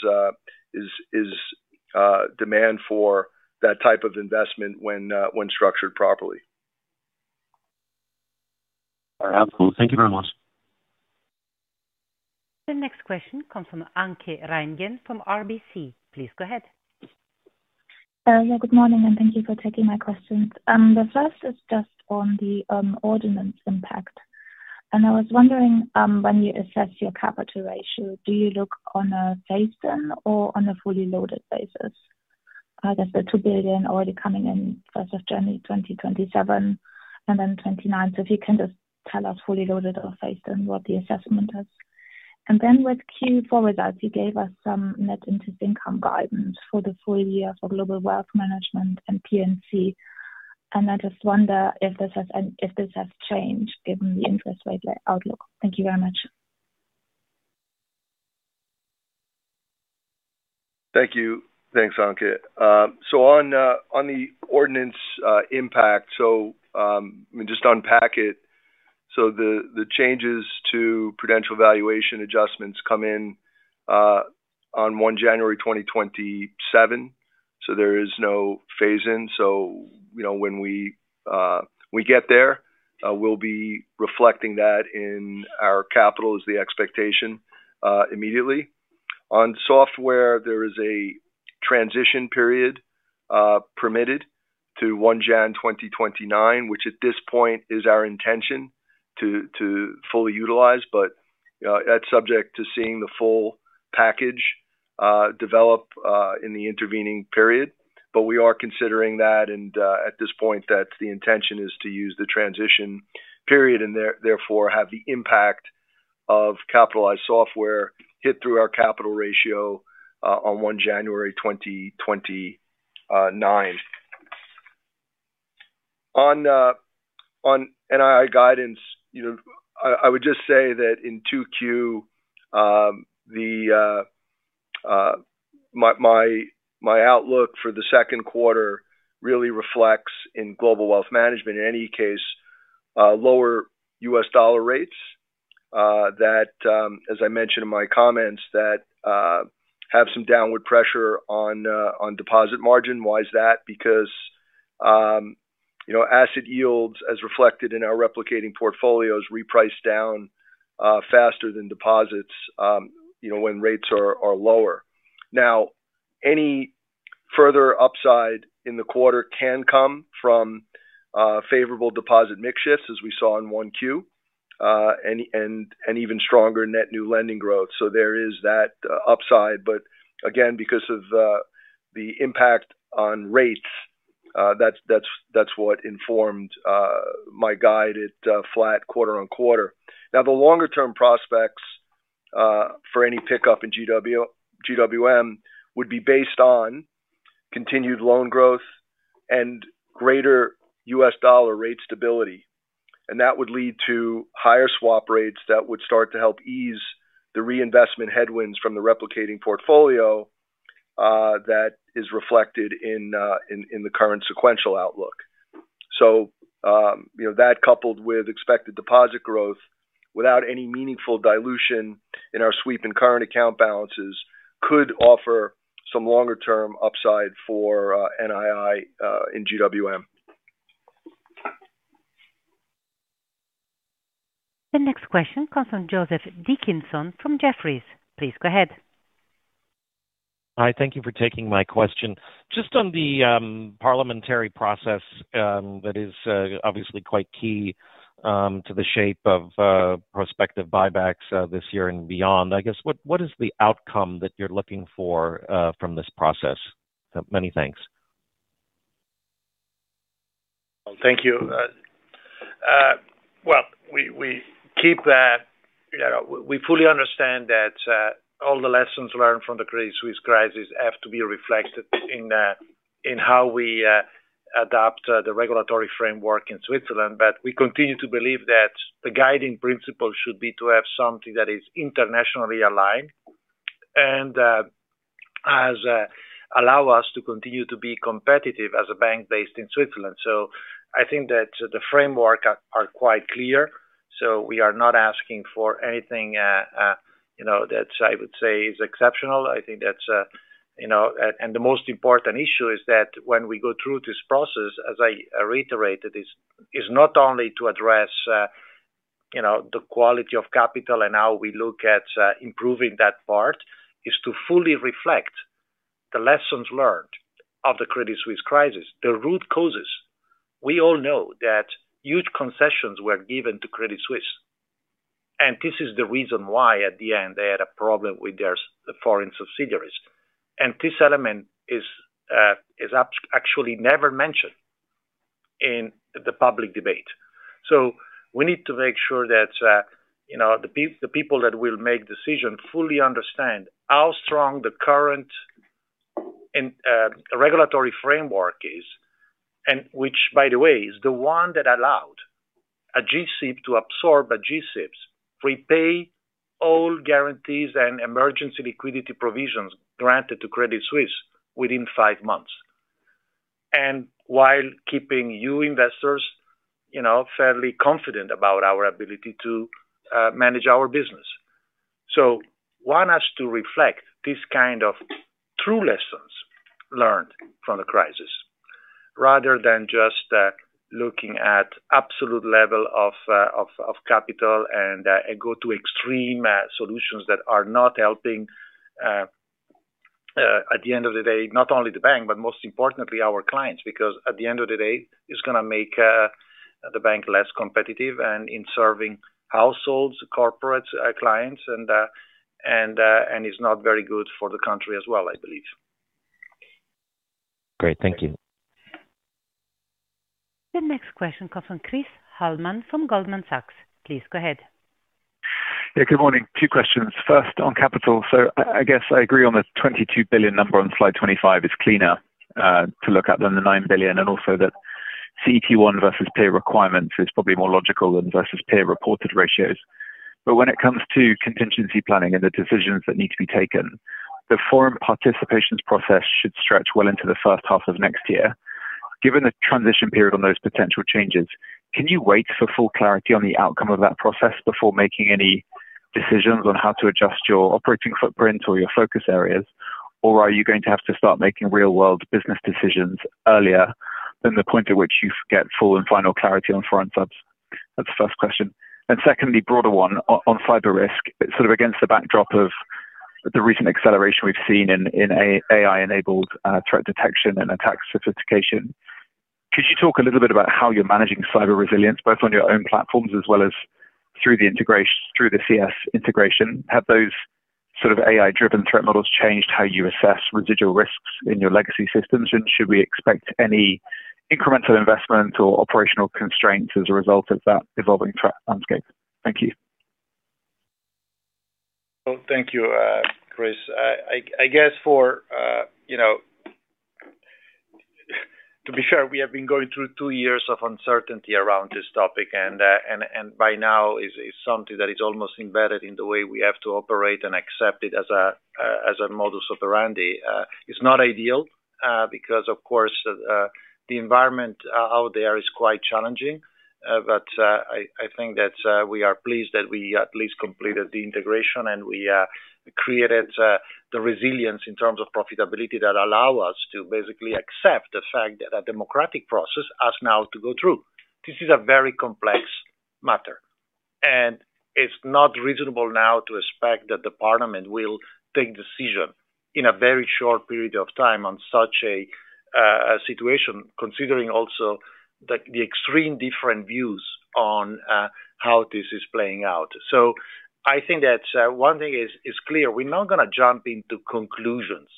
Speaker 4: demand for that type of investment when structured properly.
Speaker 7: Absolutely. Thank you very much.
Speaker 1: The next question comes from Anke Reingen from RBC. Please go ahead.
Speaker 8: Yeah, good morning, and thank you for taking my questions. The first is just on the ordinance impact. I was wondering, when you assess your capital ratio, do you look on a phased-in or on a fully loaded basis? There's the 2 billion already coming in January 1, 2027 and then 2029. If you can just tell us fully loaded or phased in what the assessment is. With Q4 results, you gave us some net interest income guidance for the full year for Global Wealth Management and P&C. I just wonder if this has changed given the interest rate, like, outlook. Thank you very much.
Speaker 4: Thank you. Thanks, Anke. On the ordinance impact. Let me just unpack it. The changes to Prudential valuation adjustments come in on 1 January 2027, there is no phase-in. You know, when we get there, we'll be reflecting that in our capital is the expectation immediately. On software, there is a transition period permitted to 1 January 2029, which at this point is our intention to fully utilize, but that's subject to seeing the full package develop in the intervening period. We are considering that, and at this point, that's the intention is to use the transition period and therefore have the impact of capitalized software hit through our capital ratio on 1 January 2029. On NII guidance, you know, I would just say that in 2Q, the outlook for the second quarter really reflects in Global Wealth Management. In any case, lower US dollar rates that, as I mentioned in my comments, that have some downward pressure on deposit margin. Why is that? Because, you know, asset yields as reflected in our replicating portfolios reprice down faster than deposits, you know, when rates are lower. Now, any further upside in the quarter can come from favorable deposit mix shifts, as we saw in 1Q, and even stronger net new lending growth. There is that upside. Again, because of the impact on rates, that's what informed my guide at flat quarter-on-quarter. The longer term prospects for any pickup in GWM would be based on continued loan growth and greater U.S. dollar rate stability, and that would lead to higher swap rates that would start to help ease the reinvestment headwinds from the replicating portfolio, that is reflected in the current sequential outlook. You know, that coupled with expected deposit growth without any meaningful dilution in our sweep and current account balances could offer some longer term upside for NII in GWM.
Speaker 1: The next question comes from Joseph Dickerson from Jefferies. Please go ahead.
Speaker 9: Hi, thank you for taking my question. Just on the parliamentary process that is obviously quite key to the shape of prospective buybacks this year and beyond. I guess, what is the outcome that you're looking for from this process? Many thanks.
Speaker 3: Thank you. Well, you know, we fully understand that all the lessons learned from the Credit Suisse crisis have to be reflected in how we adapt the regulatory framework in Switzerland. We continue to believe that the guiding principle should be to have something that is internationally aligned and allow us to continue to be competitive as a bank based in Switzerland. I think that the framework are quite clear. We are not asking for anything, you know, that I would say is exceptional. I think that's, you know, the most important issue is that when we go through this process, as I reiterated, is not only to address, you know, the quality of capital and how we look at improving that part. Is to fully reflect the lessons learned of the Credit Suisse crisis, the root causes. We all know that huge concessions were given to Credit Suisse, and this is the reason why, at the end, they had a problem with their the foreign subsidiaries. This element is actually never mentioned in the public debate. We need to make sure that, you know, the people that will make decision fully understand how strong the current, and regulatory framework is, and which, by the way, is the one that allowed. A G-SIB to absorb a G-SIBs, prepay all guarantees and emergency liquidity provisions granted to Credit Suisse within five months. While keeping you investors, you know, fairly confident about our ability to manage our business. Want us to reflect this kind of true lessons learned from the crisis rather than just looking at absolute level of capital and go to extreme solutions that are not helping at the end of the day, not only the bank, but most importantly our clients, because at the end of the day, it's gonna make the bank less competitive and in serving households, corporates, clients, and is not very good for the country as well, I believe.
Speaker 9: Great. Thank you.
Speaker 1: The next question comes from Chris Hallam from Goldman Sachs. Please go ahead.
Speaker 10: Yeah. Good morning. Two questions. First on capital. I guess I agree on the 22 billion number on slide 25 is cleaner to look at than the 9 billion, and also that CET1 versus peer requirements is probably more logical than versus peer-reported ratios. When it comes to contingency planning and the decisions that need to be taken, the foreign participations process should stretch well into the first half of next year. Given the transition period on those potential changes, can you wait for full clarity on the outcome of that process before making any decisions on how to adjust your operating footprint or your focus areas? Are you going to have to start making real-world business decisions earlier than the point at which you get full and final clarity on foreign subs? That's the first question. Secondly, broader one, on cyber risk, sort of against the backdrop of the recent acceleration we've seen in AI-enabled threat detection and attack sophistication. Could you talk a little bit about how you're managing cyber resilience, both on your own platforms as well as through the CS integration? Have those sort of AI-driven threat models changed how you assess residual risks in your legacy systems? Should we expect any incremental investment or operational constraints as a result of that evolving threat landscape? Thank you.
Speaker 3: Well, thank you, Chris. I guess for, you know, to be sure, we have been going through two years of uncertainty around this topic, and by now is something that is almost embedded in the way we have to operate and accept it as a modus operandi. It's not ideal, because of course, the environment out there is quite challenging. I think that we are pleased that we at least completed the integration and we created the resilience in terms of profitability that allow us to basically accept the fact that a democratic process has now to go through. This is a very complex matter, and it's not reasonable now to expect that the parliament will take decision in a very short period of time on such a situation, considering also the extreme different views on how this is playing out. I think that one thing is clear. We're not gonna jump into conclusions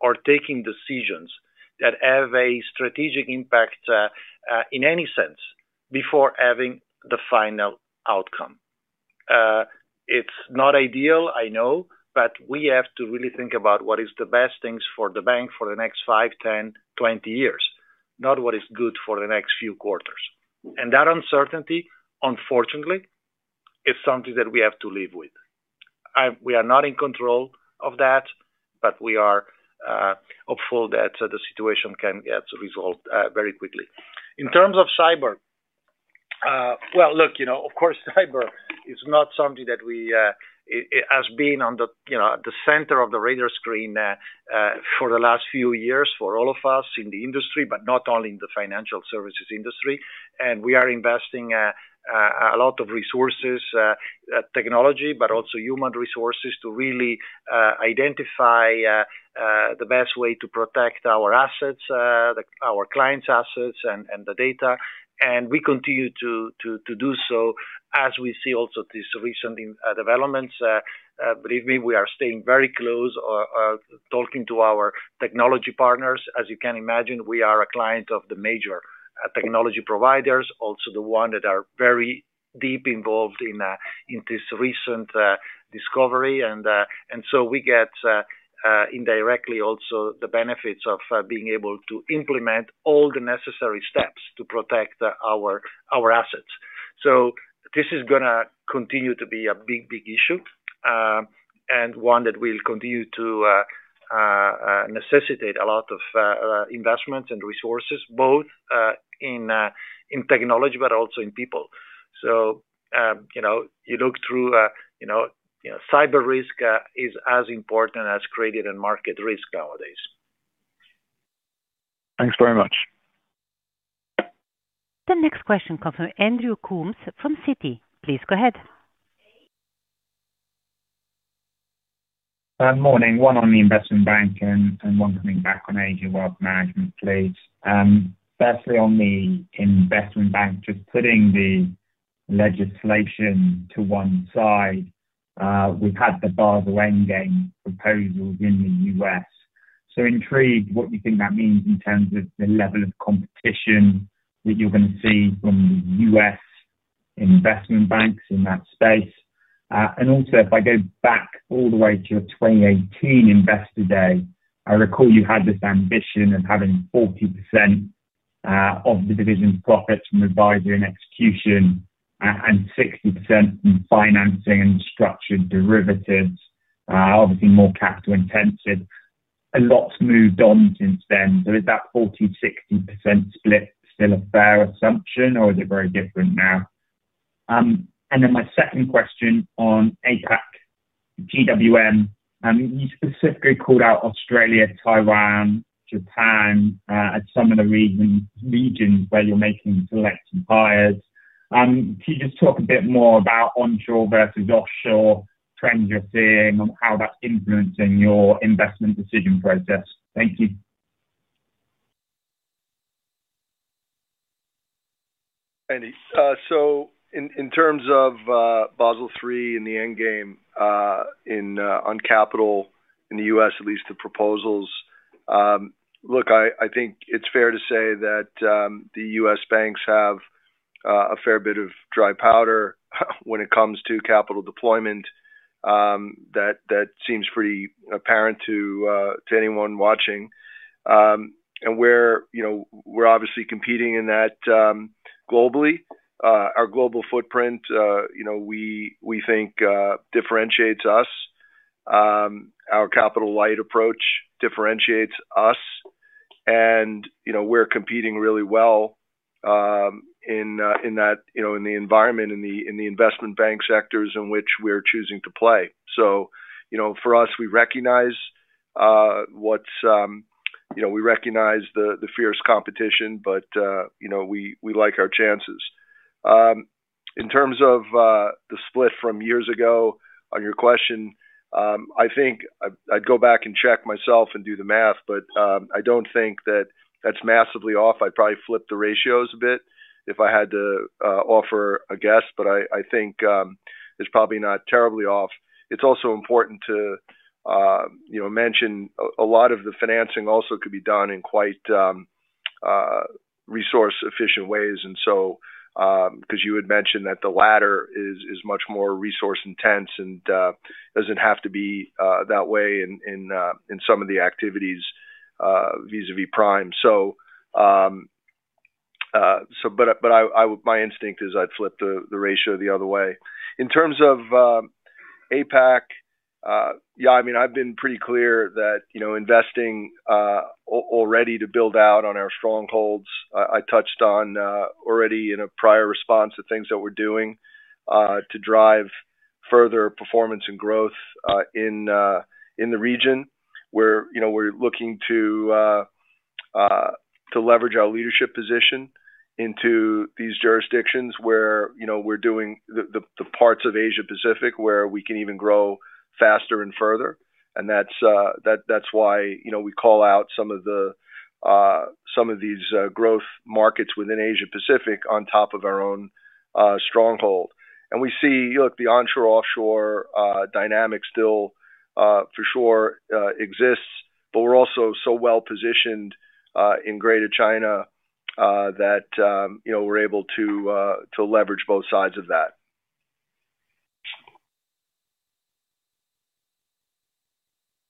Speaker 3: or taking decisions that have a strategic impact in any sense before having the final outcome. It's not ideal, I know, but we have to really think about what is the best things for the bank for the next five, 10, 20 years, not what is good for the next few quarters. That uncertainty, unfortunately, is something that we have to live with. We are not in control of that, but we are hopeful that the situation can get resolved very quickly. In terms of cyber, well, look, you know, of course, cyber is not something that we, it has been on the, you know, the center of the radar screen for the last few years for all of us in the industry, but not only in the financial services industry. We are investing a lot of resources, technology, but also human resources to really identify the best way to protect our assets, the, our clients' assets and the data. We continue to do so as we see also these recent developments. Believe me, we are staying very close, talking to our technology partners. As you can imagine, we are a client of the major technology providers, also the one that are very deep involved in this recent discovery. We get indirectly also the benefits of being able to implement all the necessary steps to protect our assets. This is gonna continue to be a big, big issue, and one that will continue to necessitate a lot of investment and resources, both in technology, but also in people. You know, you look through, you know, you know, cyber risk is as important as credit and market risk nowadays.
Speaker 10: Thanks very much.
Speaker 1: The next question comes from Andrew Coombs from Citi. Please go ahead.
Speaker 11: Morning. One on the investment bank and one coming back on Asia Wealth Management, please. Firstly, on the investment bank, just putting the legislation to one side, we've had the Basel III endgame proposals in the U.S. Intrigued what you think that means in terms of the level of competition that you're gonna see from the U.S. investment banks in that space. And also if I go back all the way to your 2018 investor day, I recall you had this ambition of having 40% of the division's profits from advisory and execution, and 60% in financing and structured derivatives, obviously more capital-intensive. A lot's moved on since then. Is that 40%/60% split still a fair assumption or is it very different now? My second question on APAC GWM. You specifically called out Australia, Taiwan, Japan as some of the regions where you're making select hires. Can you just talk a bit more about onshore versus offshore trends you're seeing and how that's influencing your investment decision process? Thank you.
Speaker 4: Andy, in terms of Basel III and the endgame, on capital in the U.S., at least the proposals. Look, I think it's fair to say that the U.S. banks have a fair bit of dry powder when it comes to capital deployment. That seems pretty apparent to anyone watching. We're, you know, we're obviously competing in that globally. Our global footprint, you know, we think differentiates us. Our capital light approach differentiates us. You know, we're competing really well in that, you know, in the environment, in the investment bank sectors in which we're choosing to play. You know, for us, we recognize what's, you know, we recognize the fierce competition, but, you know, we like our chances. In terms of the split from years ago on your question, I think I'd go back and check myself and do the math, but I don't think that that's massively off. I'd probably flip the ratios a bit if I had to offer a guess, but I think it's probably not terribly off. It's also important to, you know, mention a lot of the financing also could be done in quite resource-efficient ways. 'Cause you had mentioned that the latter is much more resource intense and doesn't have to be that way in some of the activities vis-à-vis prime. My instinct is I'd flip the ratio the other way. In terms of APAC, I mean, I've been pretty clear that, you know, investing already to build out on our strongholds. I touched on already in a prior response to things that we're doing to drive further performance and growth in the region. We're, you know, we're looking to leverage our leadership position into these jurisdictions where, you know, we're doing the parts of Asia-Pacific where we can even grow faster and further. That's why, you know, we call out some of these growth markets within Asia-Pacific on top of our own stronghold. We see, look, the onshore-offshore dynamic still for sure exists. We're also so well-positioned in Greater China that, you know, we're able to leverage both sides of that.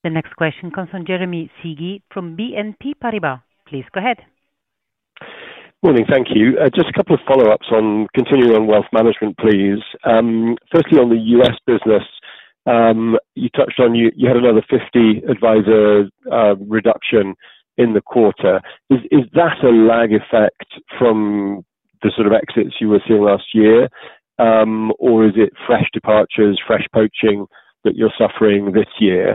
Speaker 1: The next question comes from Jeremy Sigee from BNP Paribas. Please go ahead.
Speaker 12: Morning. Thank you. Just a couple of follow-ups on continuing on wealth management, please. Firstly, on the U.S. business, you touched on you had another 50 advisor reduction in the quarter. Is that a lag effect from the sort of exits you were seeing last year? Or is it fresh departures, fresh poaching that you're suffering this year?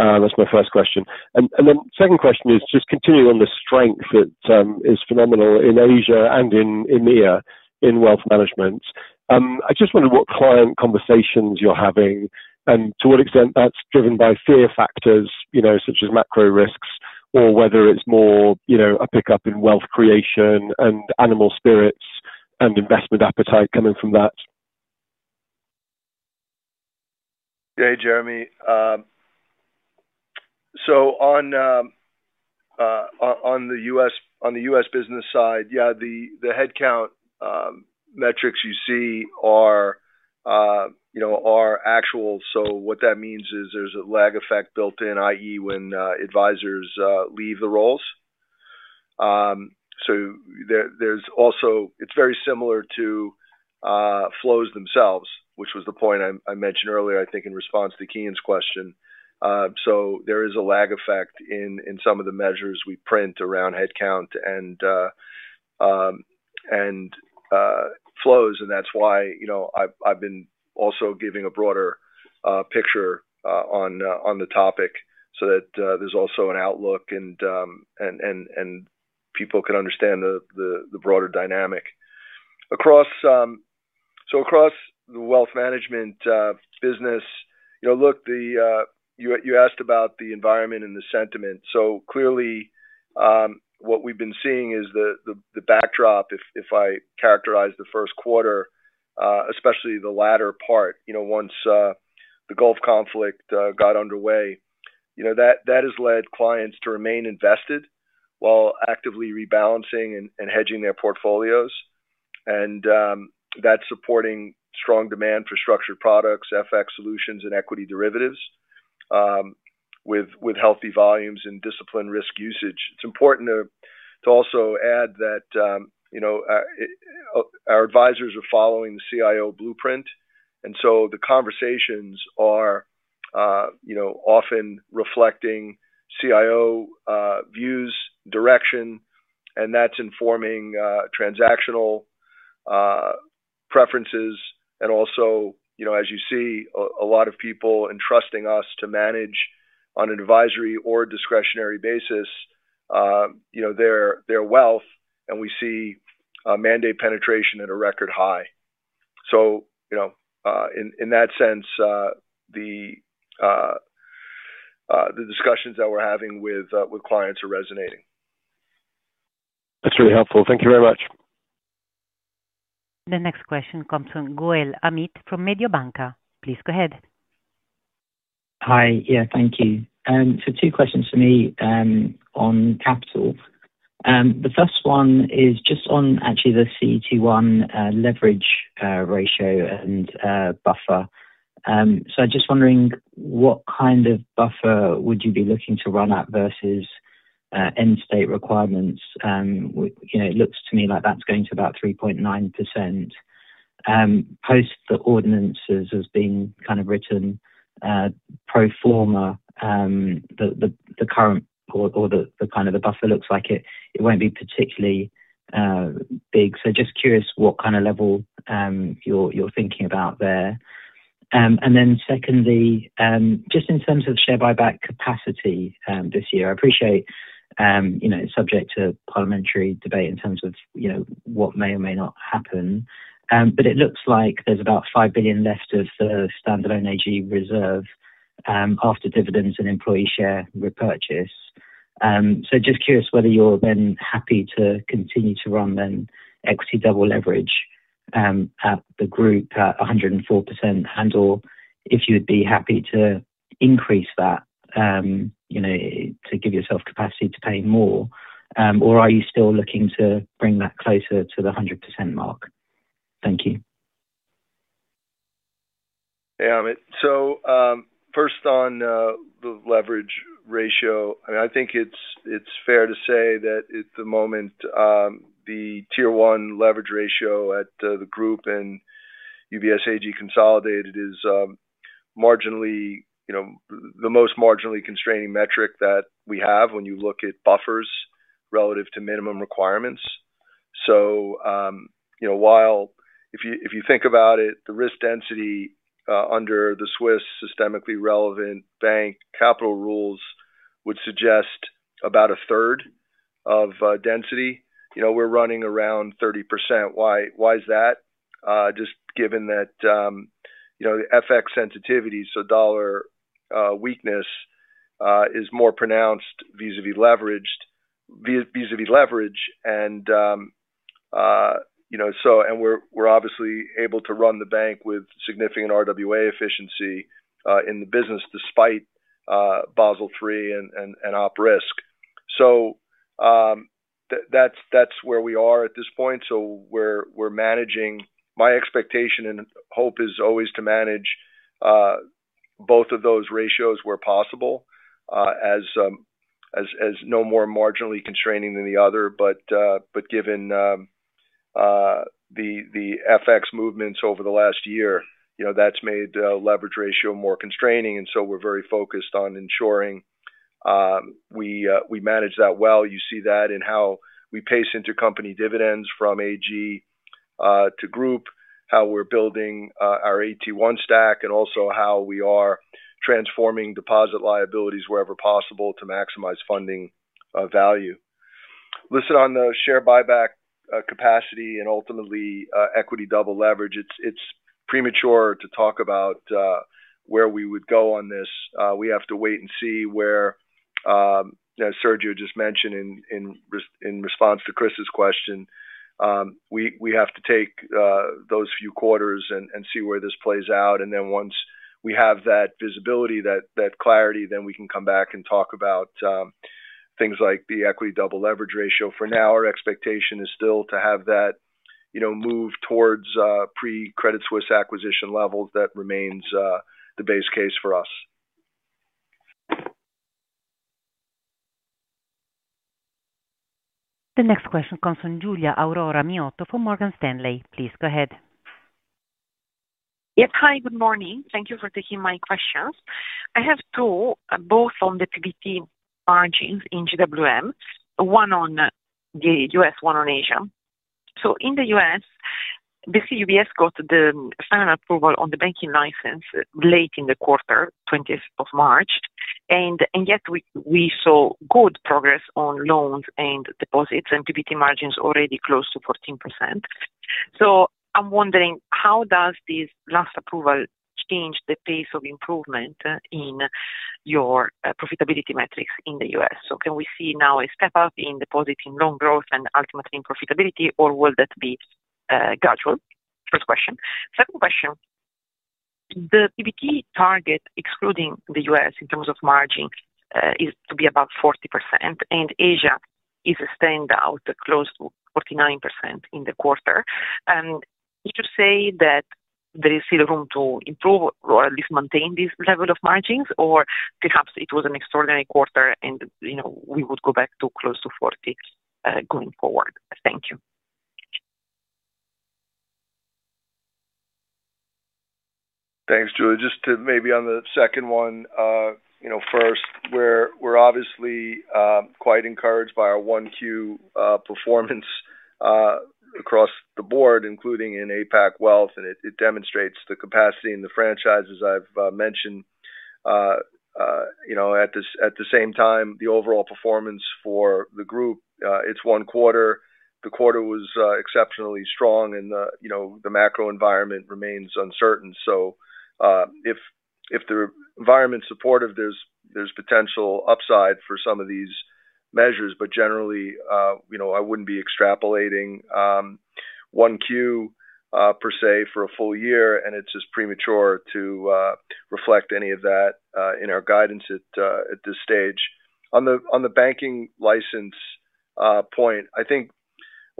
Speaker 12: That's my first question. Then second question is just continuing on the strength that is phenomenal in Asia and in EMEA in wealth management. I just wonder what client conversations you're having and to what extent that's driven by fear factors, you know, such as macro risks or whether it's more, you know, a pickup in wealth creation and animal spirits and investment appetite coming from that.
Speaker 4: Yeah, Jeremy. On the U.S. business side, the headcount metrics you see are, you know, are actual. What that means is there's a lag effect built in, i.e., when advisors leave the roles. It's very similar to flows themselves, which was the point I mentioned earlier, I think, in response to Kian's question. There is a lag effect in some of the measures we print around headcount and flows, and that's why, you know, I've been also giving a broader picture on the topic so that there's also an outlook and people can understand the broader dynamic. Across the wealth management business, you know, look, you asked about the environment and the sentiment. Clearly, what we've been seeing is the backdrop, if I characterize the first quarter, especially the latter part, you know, once The Gulf conflict got underway. That has led clients to remain invested while actively rebalancing and hedging their portfolios. That's supporting strong demand for structured products, FX solutions, and equity derivatives, with healthy volumes and disciplined risk usage. It's important to also add that, you know, our advisors are following the CIO blueprint, the conversations are often reflecting CIO views, direction, and that's informing transactional preferences. Also, you know, as you see a lot of people entrusting us to manage on an advisory or discretionary basis, you know, their wealth, and we see mandate penetration at a record high. You know, in that sense, the discussions that we're having with clients are resonating.
Speaker 12: That's really helpful. Thank you very much.
Speaker 1: The next question comes from Amit Goel from Mediobanca. Please go ahead.
Speaker 13: Hi. Yeah, thank you. Two questions for me on capital. The first one is just on actually the CET1 leverage ratio and buffer. Just wondering what kind of buffer would you be looking to run at versus end state requirements. You know, it looks to me like that's going to about 3.9%. Post the ordinances as being kind of written pro forma, the current or the kind of the buffer looks like it won't be particularly big. Just curious what kind of level you're thinking about there. Secondly, just in terms of share buyback capacity this year. I appreciate, you know, subject to parliamentary debate in terms of, you know, what may or may not happen. It looks like there's about 5 billion left of the standalone AG reserve after dividends and employee share repurchase. Just curious whether you're then happy to continue to run then equity double leverage at the group at 104%, and/or if you would be happy to increase that, you know, to give yourself capacity to pay more. Are you still looking to bring that closer to the 100% mark? Thank you.
Speaker 4: Amit, first on the leverage ratio. I mean, I think it's fair to say that at the moment, the Tier 1 leverage ratio at the group and UBS AG consolidated is marginally, you know, the most marginally constraining metric that we have when you look at buffers relative to minimum requirements. You know, while if you think about it, the risk density under the Swiss systemically relevant bank capital rules would suggest about a third of density. You know, we're running around 30%. Why is that? Just given that, you know, FX sensitivity, so dollar weakness is more pronounced vis-a-vis leverage. And we're obviously able to run the bank with significant RWA efficiency in the business despite Basel III and op risk. That's where we are at this point we are managing. My expectation and hope is always to manage both of those ratios where possible, as no more marginally constraining than the other. Given the FX movements over the last year, you know, that's made leverage ratio more constraining. We're very focused on ensuring we manage that well. You see that in how we pace intercompany dividends from AG to group, how we're building our AT1 stack, and also how we are transforming deposit liabilities wherever possible to maximize funding value. Listen, on the share buyback capacity and ultimately equity double leverage, it's premature to talk about where we would go on this. We have to wait and see where as Sergio just mentioned in response to Chris's question, we have to take those few quarters and see where this plays out. Then once we have that visibility, that clarity, then we can come back and talk about things like the equity double leverage ratio. For now, our expectation is still to have that, you know, move towards pre-Credit Suisse acquisition levels. That remains the base case for us.
Speaker 1: The next question comes from Giulia Aurora Miotto from Morgan Stanley. Please go ahead.
Speaker 14: Yes. Hi, good morning. Thank you for taking my questions. I have two, both on the PBT margins in GWM, one on the U.S., one on Asia. In the U.S., basically UBS got the final approval on the banking license late in the quarter, 20th of March. Yet we saw good progress on loans and deposits and PBT margins already close to 14%. I'm wondering, how does this last approval change the pace of improvement in your profitability metrics in the U.S.? Can we see now a step up in depositing loan growth and ultimately in profitability, or got you. First question. Second question. The PBT target excluding the U.S. in terms of margin is to be about 40%, and Asia is a standout, close to 49% in the quarter. Would you say that there is still room to improve or at least maintain this level of margins? Perhaps it was an extraordinary quarter and, you know, we would go back to close to 40% going forward. Thank you.
Speaker 3: Thanks, Giulia. To maybe on the second one, you know, first, we're obviously quite encouraged by our 1Q performance across the board, including in APAC wealth, it demonstrates the capacity in the franchises I've mentioned. You know, at the same time, the overall performance for the group, it's one quarter. The quarter was exceptionally strong. The, you know, the macro environment remains uncertain. If the environment's supportive, there's potential upside for some of these measures. Generally, you know, I wouldn't be extrapolating 1Q per se for a full year. It's just premature to reflect any of that in our guidance at this stage. On the banking license point, I think...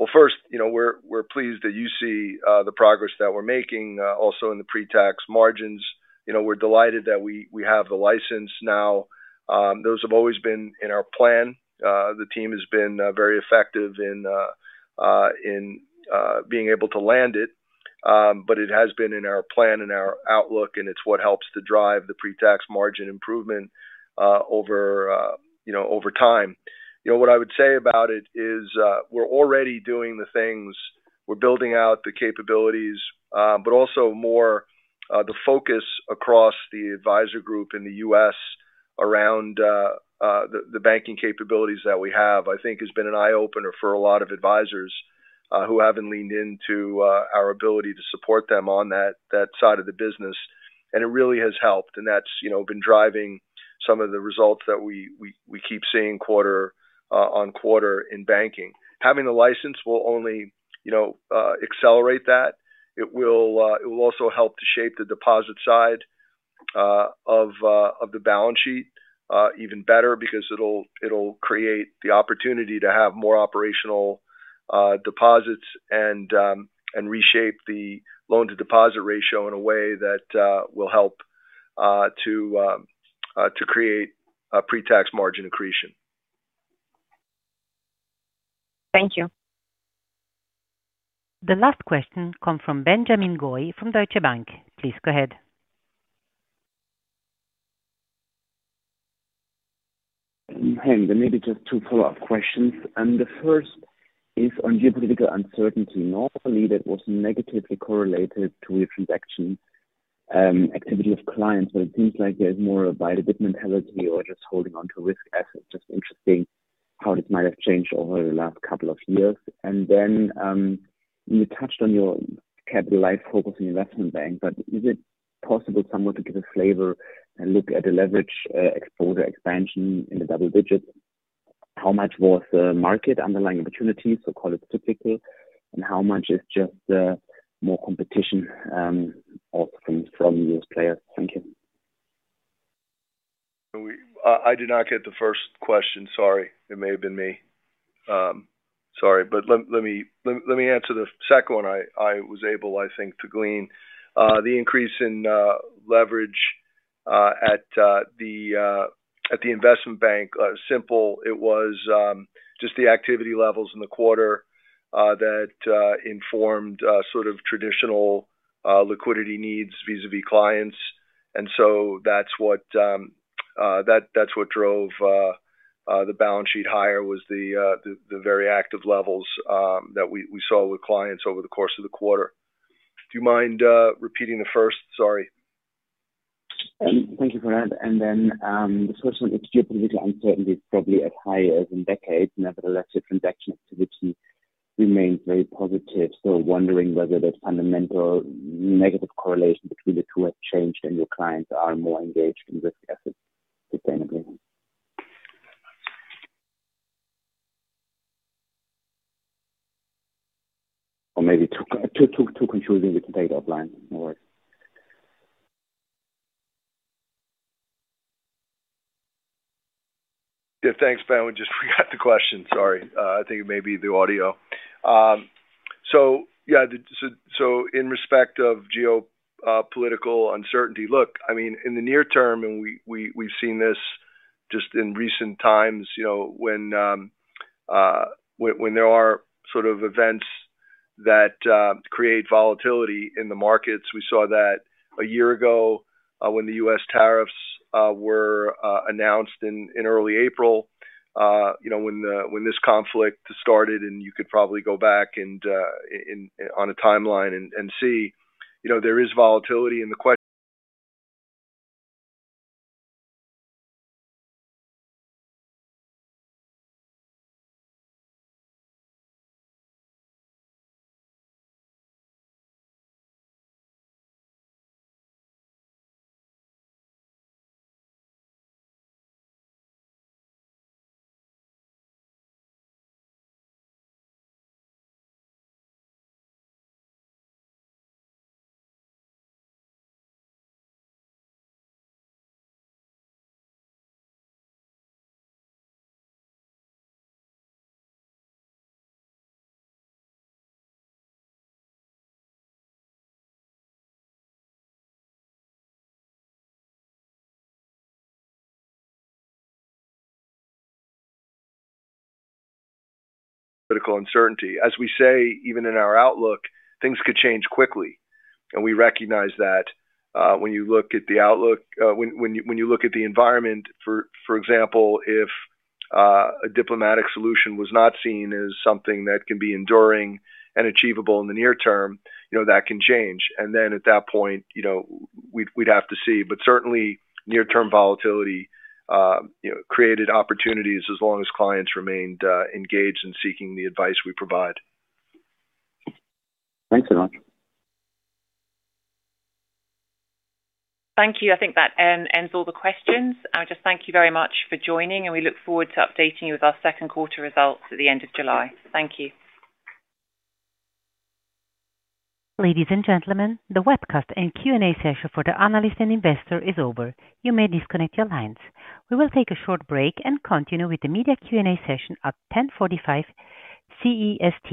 Speaker 4: Well, first, you know, we're pleased that you see the progress that we're making also in the pre-tax margins. You know, we're delighted that we have the license now. Those have always been in our plan. The team has been very effective in being able to land it. It has been in our plan and our outlook, and it's what helps to drive the pre-tax margin improvement over, you know, over time. You know, what I would say about it is, we're already doing the things. We're building out the capabilities, but also more, the focus across the advisor group in the U.S. around the banking capabilities that we have, I think has been an eye-opener for a lot of advisors who haven't leaned into our ability to support them on that side of the business. It really has helped. That's, you know, been driving some of the results that we keep seeing quarter-on-quarter in banking. Having the license will only, you know, accelerate that. It will also help to shape the deposit side of the balance sheet even better because it'll create the opportunity to have more operational deposits and reshape the loan to deposit ratio in a way that will help to create a pre-tax margin accretion.
Speaker 14: Thank you.
Speaker 1: The last question come from Benjamin Goy from Deutsche Bank. Please go ahead.
Speaker 15: Hi. Maybe just two follow-up questions. The first is on geopolitical uncertainty. Normally, that was negatively correlated to transaction activity of clients. It seems like there's more a buy the dip mentality or just holding onto risk assets. Just interesting how this might have changed over the last couple of years. Then you touched on your capitalized focus in Investment Bank, but is it possible somewhere to give a flavor and look at the leverage exposure expansion in the double digits? How much was the market underlying opportunities, so call it typical, and how much is just more competition or from those players? Thank you.
Speaker 4: I did not get the first question. Sorry. It may have been me. Sorry. But let me answer the second one. I was able, I think, to glean the increase in leverage at the investment bank, simply. It was just the activity levels in the quarter that informed sort of traditional liquidity needs vis-à-vis clients. That's what drove the balance sheet higher was the very active levels that we saw with clients over the course of the quarter. Do you mind repeating the first? Sorry.
Speaker 15: Thank you for that. The first one, it's geopolitical uncertainty, probably as high as in decades. Nevertheless, the transaction activity remains very positive. Wondering whether the fundamental negative correlation between the two has changed and your clients are more engaged in risk assets sustainably. Maybe too concluding we can take offline. No worries.
Speaker 4: Yeah. Thanks, Ben. We just forgot the question. Sorry. I think it may be the audio. Yeah. So, so in respect of geo political uncertainty, look, I mean, in the near term, we've seen this just in recent times, you know, when there are sort of events that create volatility in the markets. We saw that a year ago, when the U.S. tariffs were announced in early April, you know, when this conflict started, you could probably go back in on a timeline and see. You know, there is volatility in the Political uncertainty. As we say, even in our outlook, things could change quickly, we recognize that. When you look at the environment, for example, if a diplomatic solution was not seen as something that can be enduring and achievable in the near term, you know, that can change. Then at that point, you know, we'd have to see. Certainly near-term volatility, you know, created opportunities as long as clients remained engaged in seeking the advice we provide.
Speaker 15: Thanks so much.
Speaker 2: Thank you. I think that ends all the questions. I just thank you very much for joining. We look forward to updating you with our second quarter results at the end of July. Thank you.
Speaker 1: Ladies and gentlemen, the webcast and Q&A session for the analyst and investor is over. You may disconnect your lines. We will take a short break and continue with the media Q&A session at 10:45 A.M. CEST.